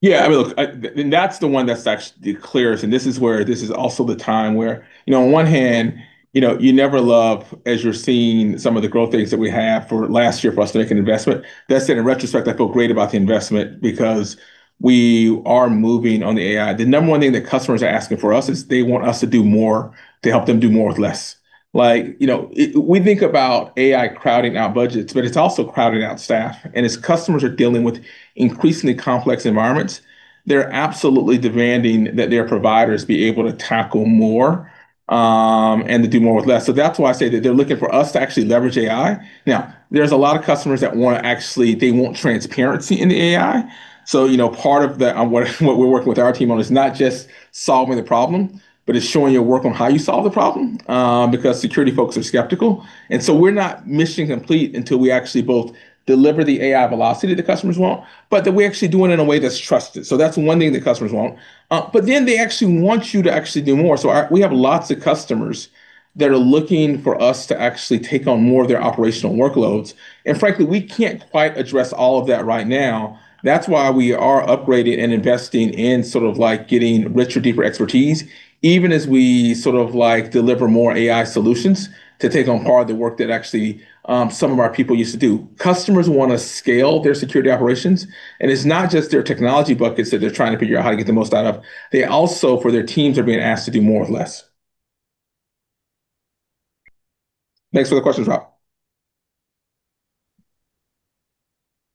Yeah. I mean, look, that's the one that's actually the clearest. And this is also the time where, on one hand, you never love, as you're seeing some of the growth things that we have for last year for us to make an investment. That said, in retrospect, I feel great about the investment because we are moving on the AI. The number one thing that customers are asking for us is they want us to do more to help them do more with less. We think about AI crowding out budgets, but it's also crowding out staff. As customers are dealing with increasingly complex environments, they're absolutely demanding that their providers be able to tackle more and to do more with less. So that's why I say that they're looking for us to actually leverage AI. Now, there's a lot of customers that want to actually they want transparency in the AI. So part of what we're working with our team on is not just solving the problem, but it's showing your work on how you solve the problem because security folks are skeptical. And so we're not mission complete until we actually both deliver the AI velocity that the customers want, but that we're actually doing it in a way that's trusted. So that's one thing the customers want. But then they actually want you to actually do more. So we have lots of customers that are looking for us to actually take on more of their operational workloads. And frankly, we can't quite address all of that right now. That's why we are upgrading and investing in sort of getting richer, deeper expertise, even as we sort of deliver more AI solutions to take on part of the work that actually some of our people used to do. Customers want to scale their security operations. And it's not just their technology buckets that they're trying to figure out how to get the most out of. They also, for their teams, are being asked to do more with less. Thanks for the questions, Rob.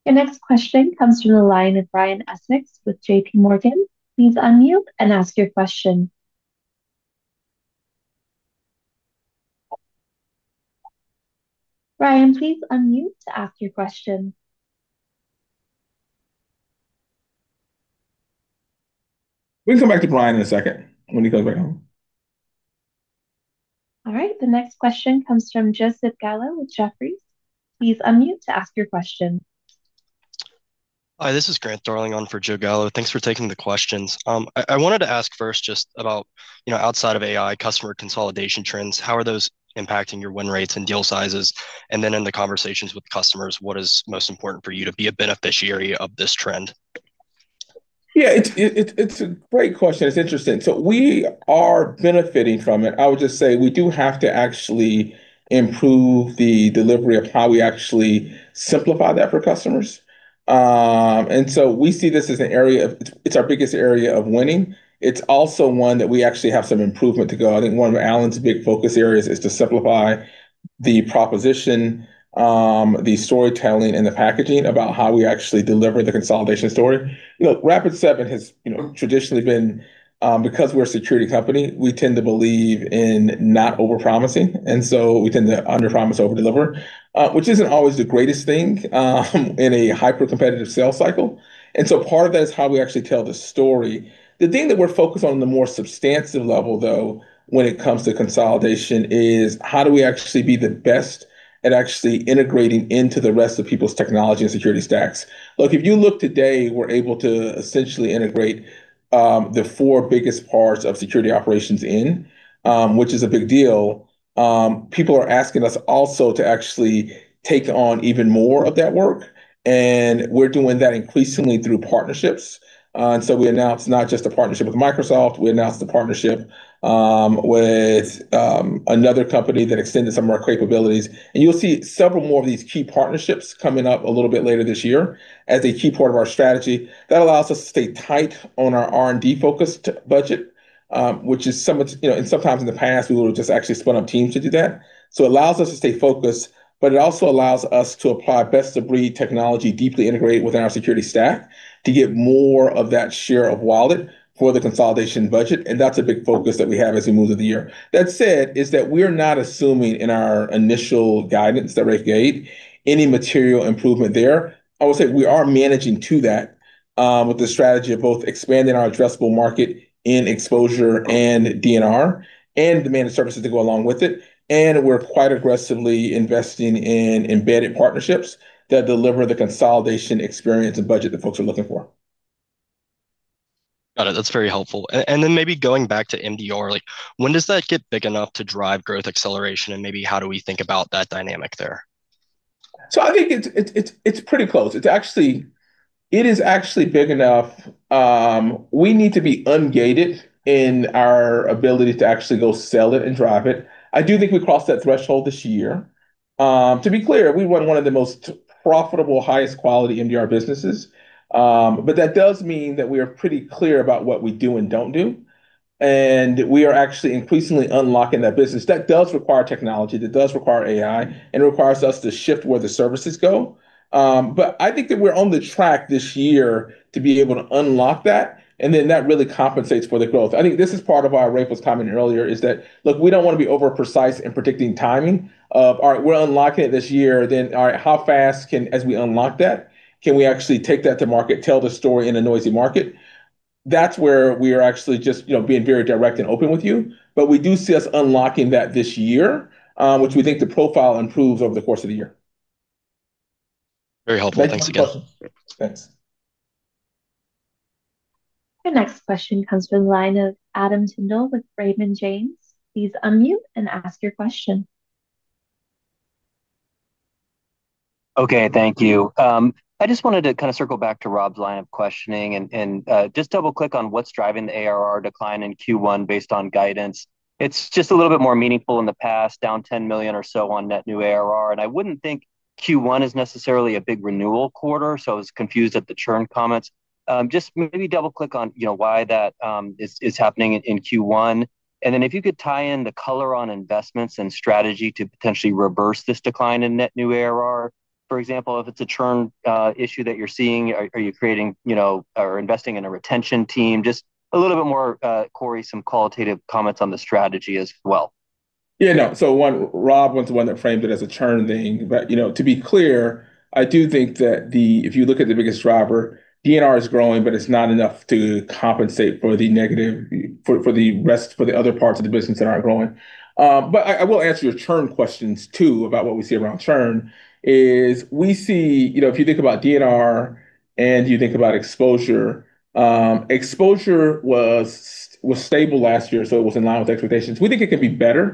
Your next question comes from the line of Brian Essex with JPMorgan. Please unmute and ask your question. Brian, please unmute to ask your question. We can come back to Brian in a second when he comes back home. All right. The next question comes from Joseph Gallo with Jefferies. Please unmute to ask your question. Hi. This is Grant Thorling on for Joe Gallo. Thanks for taking the questions. I wanted to ask first just about outside of AI, customer consolidation trends. How are those impacting your win rates and deal sizes? And then in the conversations with customers, what is most important for you to be a beneficiary of this trend? Yeah. It's a great question. It's interesting. So we are benefiting from it. I would just say we do have to actually improve the delivery of how we actually simplify that for customers. And so we see this as an area of it's our biggest area of winning. It's also one that we actually have some improvement to go. I think one of Alan's big focus areas is to simplify the proposition, the storytelling, and the packaging about how we actually deliver the consolidation story. Rapid7 has traditionally been because we're a security company, we tend to believe in not overpromising. And so we tend to underpromise, overdeliver, which isn't always the greatest thing in a hyper-competitive sales cycle. And so part of that is how we actually tell the story. The thing that we're focused on the more substantive level, though, when it comes to consolidation is how do we actually be the best at actually integrating into the rest of people's technology and security stacks? Look, if you look today, we're able to essentially integrate the four biggest parts of security operations in, which is a big deal. People are asking us also to actually take on even more of that work. And we're doing that increasingly through partnerships. And so we announced not just a partnership with Microsoft. We announced a partnership with another company that extended some of our capabilities. And you'll see several more of these key partnerships coming up a little bit later this year as a key part of our strategy. That allows us to stay tight on our R&D-focused budget, which is somewhat in sometimes in the past, we would have just actually spun up teams to do that. So it allows us to stay focused, but it also allows us to apply best-of-breed technology, deeply integrate within our security stack to get more of that share of wallet for the consolidation budget. And that's a big focus that we have as we move through the year. That said, is that we are not assuming in our initial guidance that we're going to get any material improvement there. I will say we are managing to that with the strategy of both expanding our addressable market in exposure and DNR and demanded services to go along with it. And we're quite aggressively investing in embedded partnerships that deliver the consolidation experience and budget that folks are looking for. Got it. That's very helpful. And then maybe going back to MDR, when does that get big enough to drive growth acceleration? And maybe how do we think about that dynamic there? So I think it's pretty close. It is actually big enough. We need to be ungated in our ability to actually go sell it and drive it. I do think we crossed that threshold this year. To be clear, we run one of the most profitable, highest-quality MDR businesses. But that does mean that we are pretty clear about what we do and don't do. And we are actually increasingly unlocking that business. That does require technology. That does require AI. And it requires us to shift where the services go. But I think that we're on the track this year to be able to unlock that. And then that really compensates for the growth. I think this is part of why Rapid was coming earlier, is that, look, we don't want to be over-precise in predicting timing of, "All right, we're unlocking it this year. Then all right, how fast can as we unlock that, can we actually take that to market, tell the story in a noisy market?" That's where we are actually just being very direct and open with you. But we do see us unlocking that this year, which we think the profile improves over the course of the year. Very helpful. Thanks again. Thanks. Your next question comes from the line of Adam Tindle with Raymond James. Please unmute and ask your question. Okay. Thank you. I just wanted to kind of circle back to Rob's line of questioning and just double-click on what's driving the ARR decline in Q1 based on guidance. It's just a little bit more meaningful in the past, down $10 million or so on net new ARR. And I wouldn't think Q1 is necessarily a big renewal quarter. So I was confused at the churn comments. Just maybe double-click on why that is happening in Q1. And then if you could tie in the color on investments and strategy to potentially reverse this decline in net new ARR. For example, if it's a churn issue that you're seeing, are you creating or investing in a retention team? Just a little bit more, Corey, some qualitative comments on the strategy as well. Yeah. No. So Rob went to one that framed it as a churn thing. But to be clear, I do think that if you look at the biggest driver, DNR is growing, but it's not enough to compensate for the negative for the other parts of the business that aren't growing. I will answer your churn questions too about what we see around churn. We see if you think about DNR and you think about exposure, exposure was stable last year, so it was in line with expectations. We think it can be better.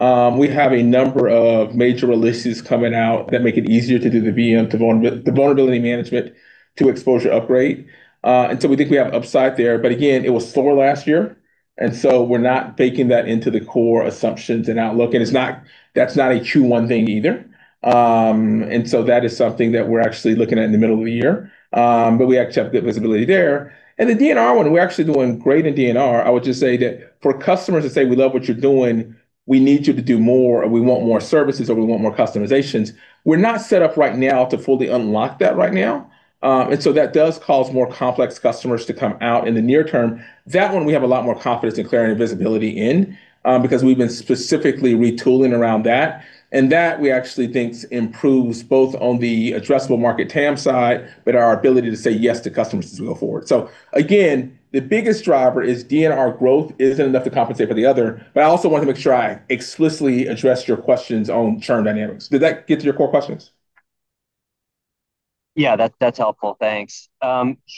We have a number of major releases coming out that make it easier to do the VM, the vulnerability management, to exposure upgrade. So we think we have upside there. But again, it was slower last year. So we're not baking that into the core assumptions and outlook. That's not a Q1 thing either. That is something that we're actually looking at in the middle of the year. But we accept the visibility there. The DNR one, we're actually doing great in DNR. I would just say that for customers to say, "We love what you're doing. We need you to do more," or, "We want more services," or, "We want more customizations," we're not set up right now to fully unlock that right now. That does cause more complex customers to come out in the near term. That one, we have a lot more confidence in clarity and visibility in because we've been specifically retooling around that. That, we actually think, improves both on the addressable market TAM side, but our ability to say yes to customers as we go forward. Again, the biggest driver is DNR growth isn't enough to compensate for the other. But I also wanted to make sure I explicitly addressed your questions on churn dynamics. Did that get to your core questions? Yeah. That's helpful. Thanks.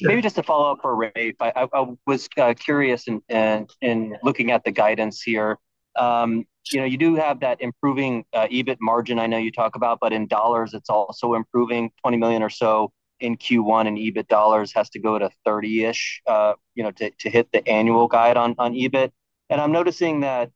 Maybe just to follow up for Rafe, I was curious in looking at the guidance here. You do have that improving EBIT margin I know you talk about, but in dollars, it's also improving. $20 million or so in Q1 in EBIT dollars has to go to $30 million-ish to hit the annual guide on EBIT. And I'm noticing that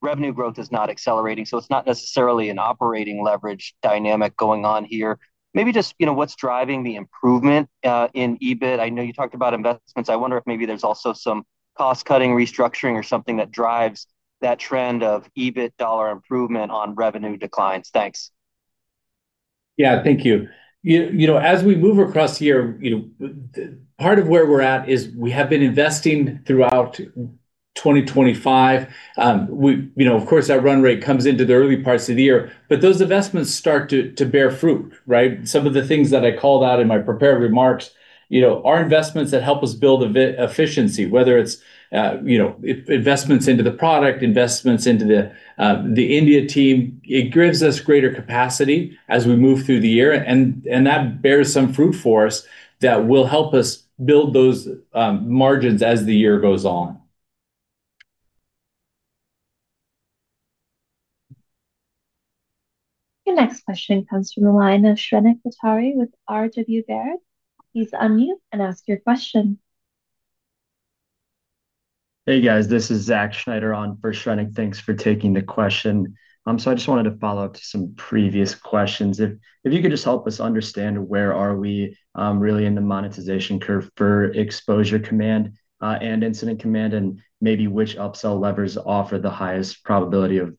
revenue growth is not accelerating. So it's not necessarily an operating leverage dynamic going on here. Maybe just what's driving the improvement in EBIT? I know you talked about investments. I wonder if maybe there's also some cost-cutting, restructuring, or something that drives that trend of EBIT dollar improvement on revenue declines. Thanks. Yeah. Thank you. As we move across the year, part of where we're at is we have been investing throughout 2025. Of course, that run rate comes into the early parts of the year. But those investments start to bear fruit, right? Some of the things that I called out in my prepared remarks are investments that help us build efficiency, whether it's investments into the product, investments into the India team. It gives us greater capacity as we move through the year. And that bears some fruit for us that will help us build those margins as the year goes on. Your next question comes from the line of Shrenik Kothari with Baird. Please unmute and ask your question. Hey, guys. This is Zach Schneider on for Shrenik. Thanks for taking the question. So I just wanted to follow up to some previous questions. If you could just help us understand where are we really in the monetization curve for Exposure Command and Incident Command and maybe which upsell levers offer the highest probability of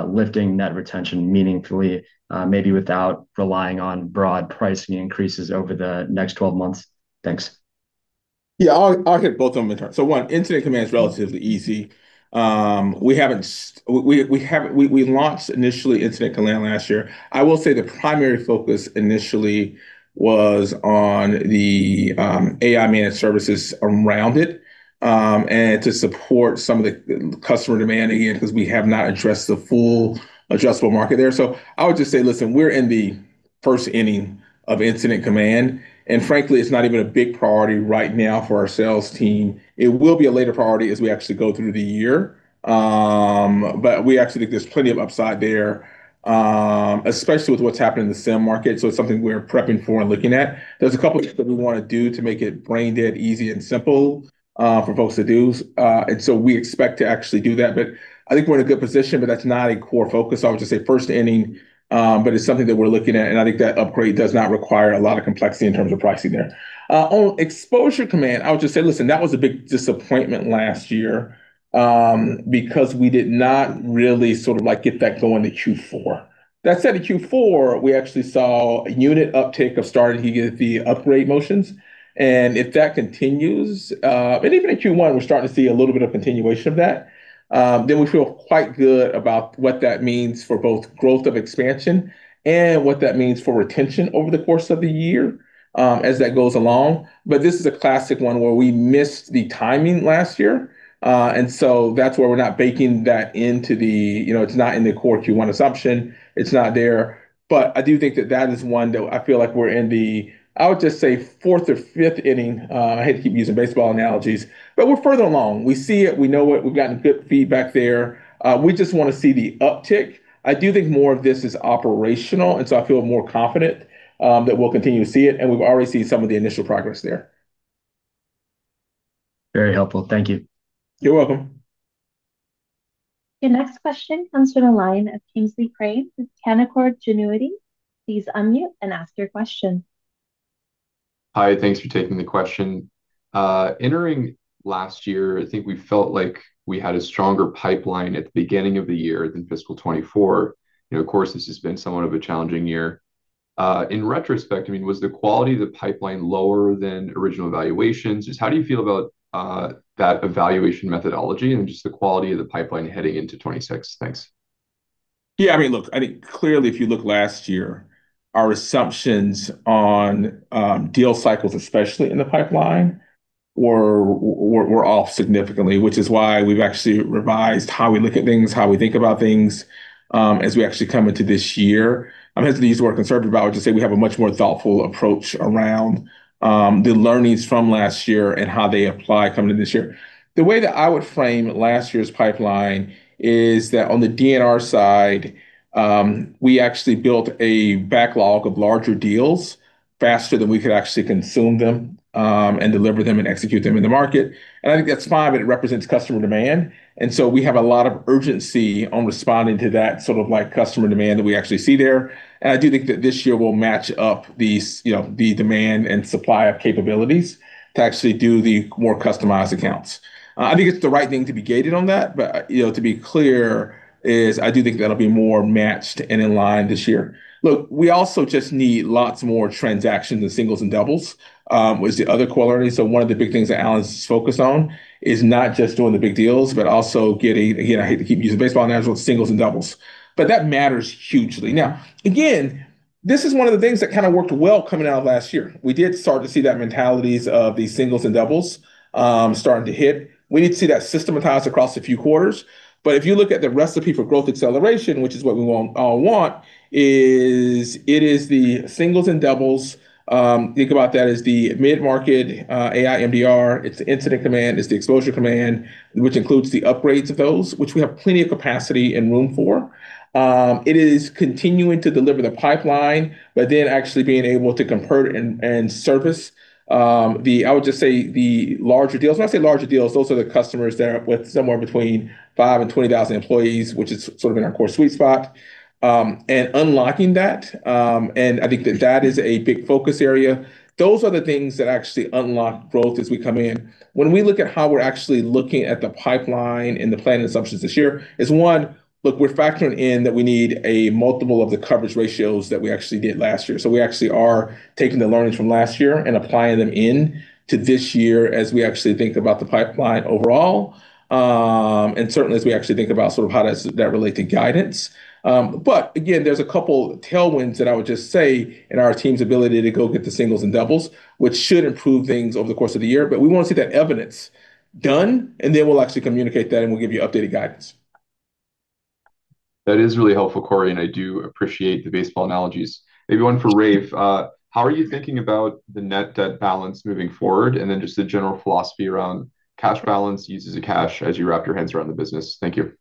lifting net retention meaningfully, maybe without relying on broad pricing increases over the next 12 months? Thanks. Yeah. I'll hit both of them in turn. So one, Incident Command is relatively easy. We launched initially Incident Command last year. I will say the primary focus initially was on the AI-managed services around it and to support some of the customer demand again because we have not addressed the full addressable market there. So I would just say, "Listen, we're in the first inning of Incident Command." And frankly, it's not even a big priority right now for our sales team. It will be a later priority as we actually go through the year. But we actually think there's plenty of upside there, especially with what's happening in the SIEM market. So it's something we're prepping for and looking at. There's a couple of things that we want to do to make it brain-dead, easy, and simple for folks to do. And so we expect to actually do that. But I think we're in a good position, but that's not a core focus. I would just say first inning, but it's something that we're looking at. And I think that upgrade does not require a lot of complexity in terms of pricing there. On Exposure Command, I would just say, "Listen, that was a big disappointment last year because we did not really sort of get that going to Q4." That said, in Q4, we actually saw unit uptake of starting to get the upgrade motions. And if that continues, and even in Q1, we're starting to see a little bit of continuation of that, then we feel quite good about what that means for both growth of expansion and what that means for retention over the course of the year as that goes along. But this is a classic one where we missed the timing last year. And so that's where we're not baking that into the. It's not in the core Q1 assumption. It's not there. But I do think that that is one that I feel like we're in the. I would just say, fourth or fifth inning. I hate to keep using baseball analogies, but we're further along. We see it. We know it. We've gotten good feedback there. We just want to see the uptick. I do think more of this is operational. And so I feel more confident that we'll continue to see it. And we've already seen some of the initial progress there. Very helpful. Thank you. You're welcome. Your next question comes from the line of Kingsley Crane with Canaccord Genuity. Please unmute and ask your question. Hi. Thanks for taking the question. Entering last year, I think we felt like we had a stronger pipeline at the beginning of the year than fiscal 2024. Of course, this has been somewhat of a challenging year. In retrospect, I mean, was the quality of the pipeline lower than original evaluations? How do you feel about that evaluation methodology and just the quality of the pipeline heading into 2026? Thanks. Yeah. I mean, look, I think clearly, if you look last year, our assumptions on deal cycles, especially in the pipeline, were off significantly, which is why we've actually revised how we look at things, how we think about things as we actually come into this year. As these were conservative about, I would just say we have a much more thoughtful approach around the learnings from last year and how they apply coming into this year. The way that I would frame last year's pipeline is that on the DNR side, we actually built a backlog of larger deals faster than we could actually consume them and deliver them and execute them in the market. And I think that's fine, but it represents customer demand. And so we have a lot of urgency on responding to that sort of customer demand that we actually see there. I do think that this year will match up the demand and supply of capabilities to actually do the more customized accounts. I think it's the right thing to be gated on that. But to be clear, I do think that'll be more matched and in line this year. Look, we also just need lots more transactions and singles and doubles was the other quality. So one of the big things that Alan's focused on is not just doing the big deals, but also getting again, I hate to keep using baseball analogy, but singles and doubles. But that matters hugely. Now, again, this is one of the things that kind of worked well coming out of last year. We did start to see that mentalities of the singles and doubles starting to hit. We need to see that systematized across a few quarters. But if you look at the recipe for growth acceleration, which is what we all want, it is the singles and doubles. Think about that as the mid-market AI MDR. It's the Incident Command. It's the Exposure Command, which includes the upgrades of those, which we have plenty of capacity and room for. It is continuing to deliver the pipeline, but then actually being able to convert and service, I would just say, the larger deals. When I say larger deals, those are the customers that are with somewhere between 5 and 20,000 employees, which is sort of in our core sweet spot, and unlocking that. And I think that that is a big focus area. Those are the things that actually unlock growth as we come in. When we look at how we're actually looking at the pipeline and the planning assumptions this year is, one, look, we're factoring in that we need a multiple of the coverage ratios that we actually did last year. So we actually are taking the learnings from last year and applying them into this year as we actually think about the pipeline overall, and certainly as we actually think about sort of how does that relate to guidance. But again, there's a couple of tailwinds that I would just say in our team's ability to go get the singles and doubles, which should improve things over the course of the year. But we want to see that evidence done, and then we'll actually communicate that, and we'll give you updated guidance. That is really helpful, Corey. And I do appreciate the baseball analogies. Maybe one for Rafe. How are you thinking about the net debt balance moving forward and then just the general philosophy around cash balance, uses of cash as you wrap your hands around the business? Thank you.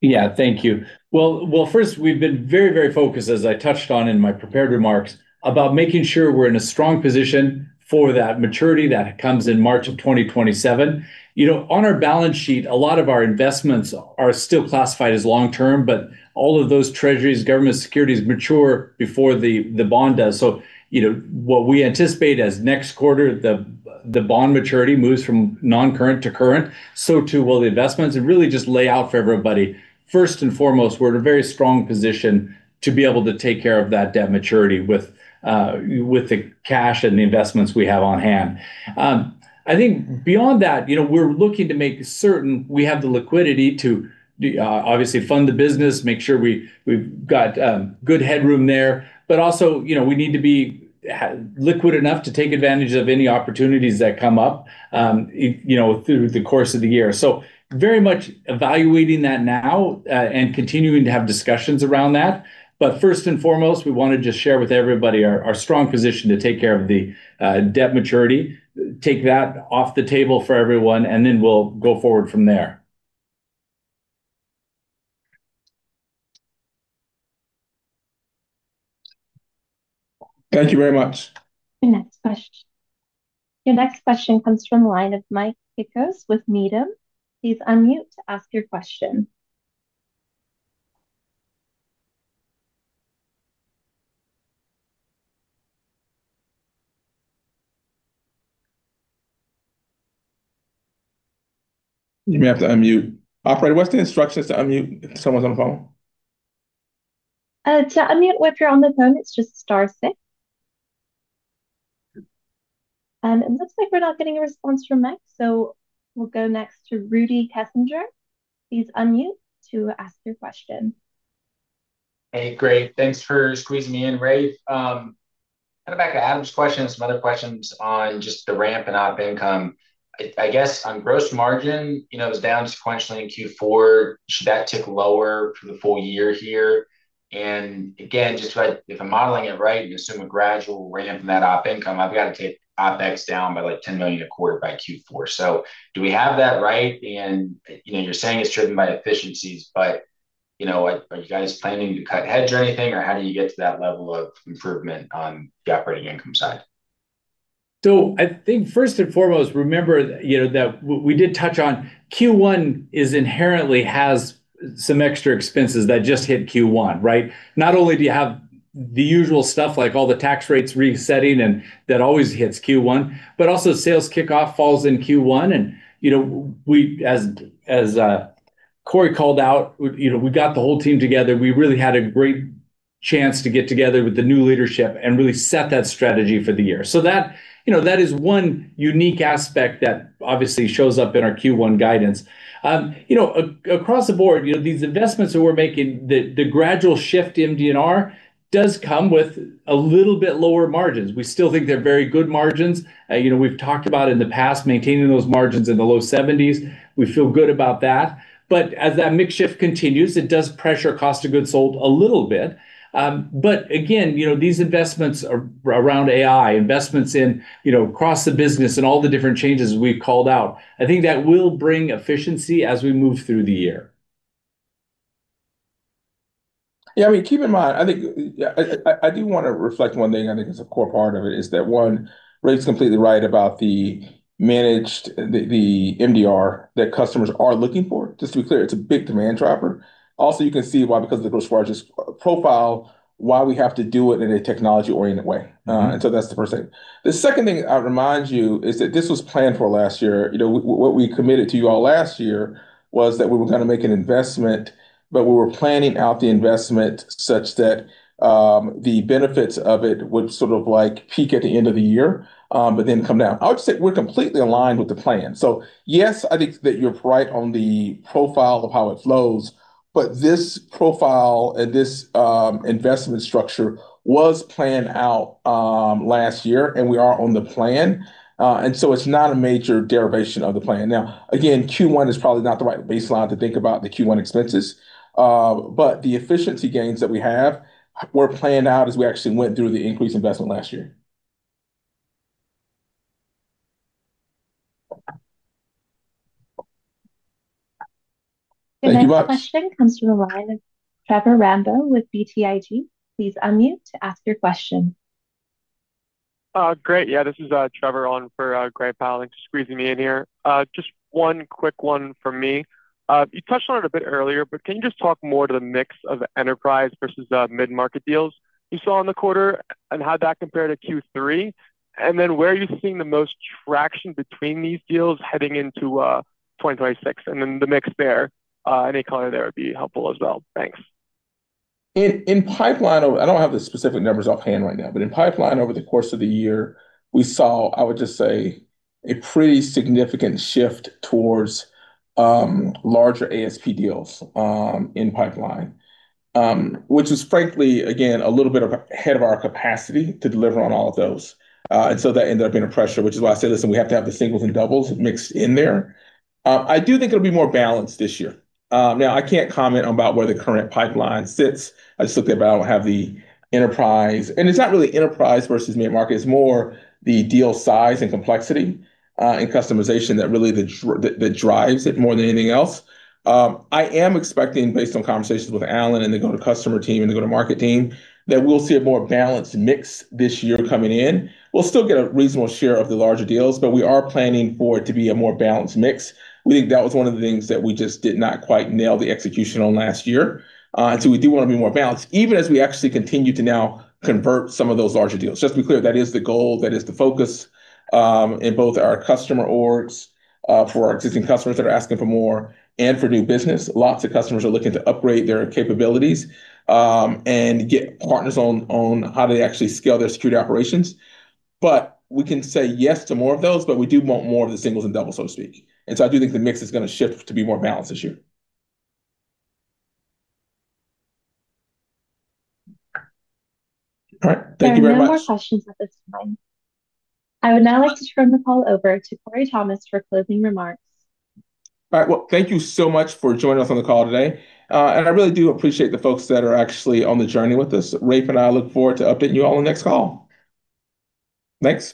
Yeah. Thank you. Well, first, we've been very, very focused, as I touched on in my prepared remarks, about making sure we're in a strong position for that maturity that comes in March of 2027. On our balance sheet, a lot of our investments are still classified as long-term, but all of those treasuries, government securities mature before the bond does. So what we anticipate as next quarter, the bond maturity moves from non-current to current. So too will the investments. And really just lay out for everybody, first and foremost, we're in a very strong position to be able to take care of that debt maturity with the cash and the investments we have on hand. I think beyond that, we're looking to make certain we have the liquidity to obviously fund the business, make sure we've got good headroom there. But also, we need to be liquid enough to take advantage of any opportunities that come up through the course of the year. So very much evaluating that now and continuing to have discussions around that. But first and foremost, we want to just share with everybody our strong position to take care of the debt maturity, take that off the table for everyone, and then we'll go forward from there. Thank you very much. Your next question. Your next question comes from the line of Mike Cikos with Needham. Please unmute to ask your question. You may have to unmute. Operator, what's the instructions to unmute if someone's on the phone? To unmute if you're on the phone, it's just star six. And it looks like we're not getting a response from Mike. So we'll go next to Rudy Kessinger. Please unmute to ask your question. Hey, great. Thanks for squeezing me in, Rafe. Kind of back to Adam's question and some other questions on just the ramp and op income. I guess on gross margin, it was down sequentially in Q4. Should that tick lower for the full year here? And again, just if I'm modeling it right and assume a gradual ramp in that op income, I've got to take OpEx down by like $10 million a quarter by Q4. So do we have that right? And you're saying it's driven by efficiencies, but are you guys planning to cut headcount or anything, or how do you get to that level of improvement on the operating income side? So I think first and foremost, remember that we did touch on Q1 inherently has some extra expenses that just hit Q1, right? Not only do you have the usual stuff like all the tax rates resetting and that always hits Q1, but also sales kickoff falls in Q1. And as Corey called out, we got the whole team together. We really had a great chance to get together with the new leadership and really set that strategy for the year. So that is one unique aspect that obviously shows up in our Q1 guidance. Across the board, these investments that we're making, the gradual shift to MDR does come with a little bit lower margins. We still think they're very good margins. We've talked about in the past maintaining those margins in the low 70s. We feel good about that. As that mix shift continues, it does pressure cost of goods sold a little bit. But again, these investments around AI, investments across the business and all the different changes we've called out, I think that will bring efficiency as we move through the year. Yeah. I mean, keep in mind, I think I do want to reflect one thing. I think it's a core part of it is that, one, Ray's completely right about the MDR that customers are looking for. Just to be clear, it's a big demand dropper. Also, you can see why because of the gross margin profile, why we have to do it in a technology-oriented way. So that's the first thing. The second thing I'd remind you is that this was planned for last year. What we committed to you all last year was that we were going to make an investment, but we were planning out the investment such that the benefits of it would sort of peak at the end of the year but then come down. I would just say we're completely aligned with the plan. So yes, I think that you're right on the profile of how it flows, but this profile and this investment structure was planned out last year, and we are on the plan. And so it's not a major derivation of the plan. Now, again, Q1 is probably not the right baseline to think about the Q1 expenses. But the efficiency gains that we have were planned out as we actually went through the increased investment last year. Thank you much. Your next question comes from the line of Trevor Rambo with BTIG. Please unmute to ask your question. Great. Yeah. This is Trevor on for Gray Powell. Thanks for squeezing me in here. Just one quick one from me. You touched on it a bit earlier, but can you just talk more to the mix of enterprise versus mid-market deals you saw in the quarter and how that compared to Q3? And then where are you seeing the most traction between these deals heading into 2026? And then the mix there, any color there would be helpful as well. Thanks. I don't have the specific numbers offhand right now, but in pipeline, over the course of the year, we saw. I would just say, a pretty significant shift towards larger ASP deals in pipeline, which was, frankly, again, a little bit ahead of our capacity to deliver on all of those. And so that ended up being a pressure, which is why I say, "Listen, we have to have the singles and doubles mixed in there." I do think it'll be more balanced this year. Now, I can't comment about where the current pipeline sits. I just looked at it, but I don't have the enterprise and it's not really enterprise versus mid-market. It's more the deal size and complexity and customization that really drives it more than anything else. I am expecting, based on conversations with Alan and the go-to-customer team and the go-to-market team, that we'll see a more balanced mix this year coming in. We'll still get a reasonable share of the larger deals, but we are planning for it to be a more balanced mix. We think that was one of the things that we just did not quite nail the execution on last year. And so we do want to be more balanced, even as we actually continue to now convert some of those larger deals. Just to be clear, that is the goal. That is the focus in both our customer orgs, for our existing customers that are asking for more and for new business. Lots of customers are looking to upgrade their capabilities and get partners on how they actually scale their security operations. But we can say yes to more of those, but we do want more of the singles and doubles, so to speak. And so I do think the mix is going to shift to be more balanced this year. All right. Thank you very much. No more questions at this time. I would now like to turn the call over to Corey Thomas for closing remarks. All right. Well, thank you so much for joining us on the call today. I really do appreciate the folks that are actually on the journey with us. Rafe and I look forward to updating you all on the next call. Thanks.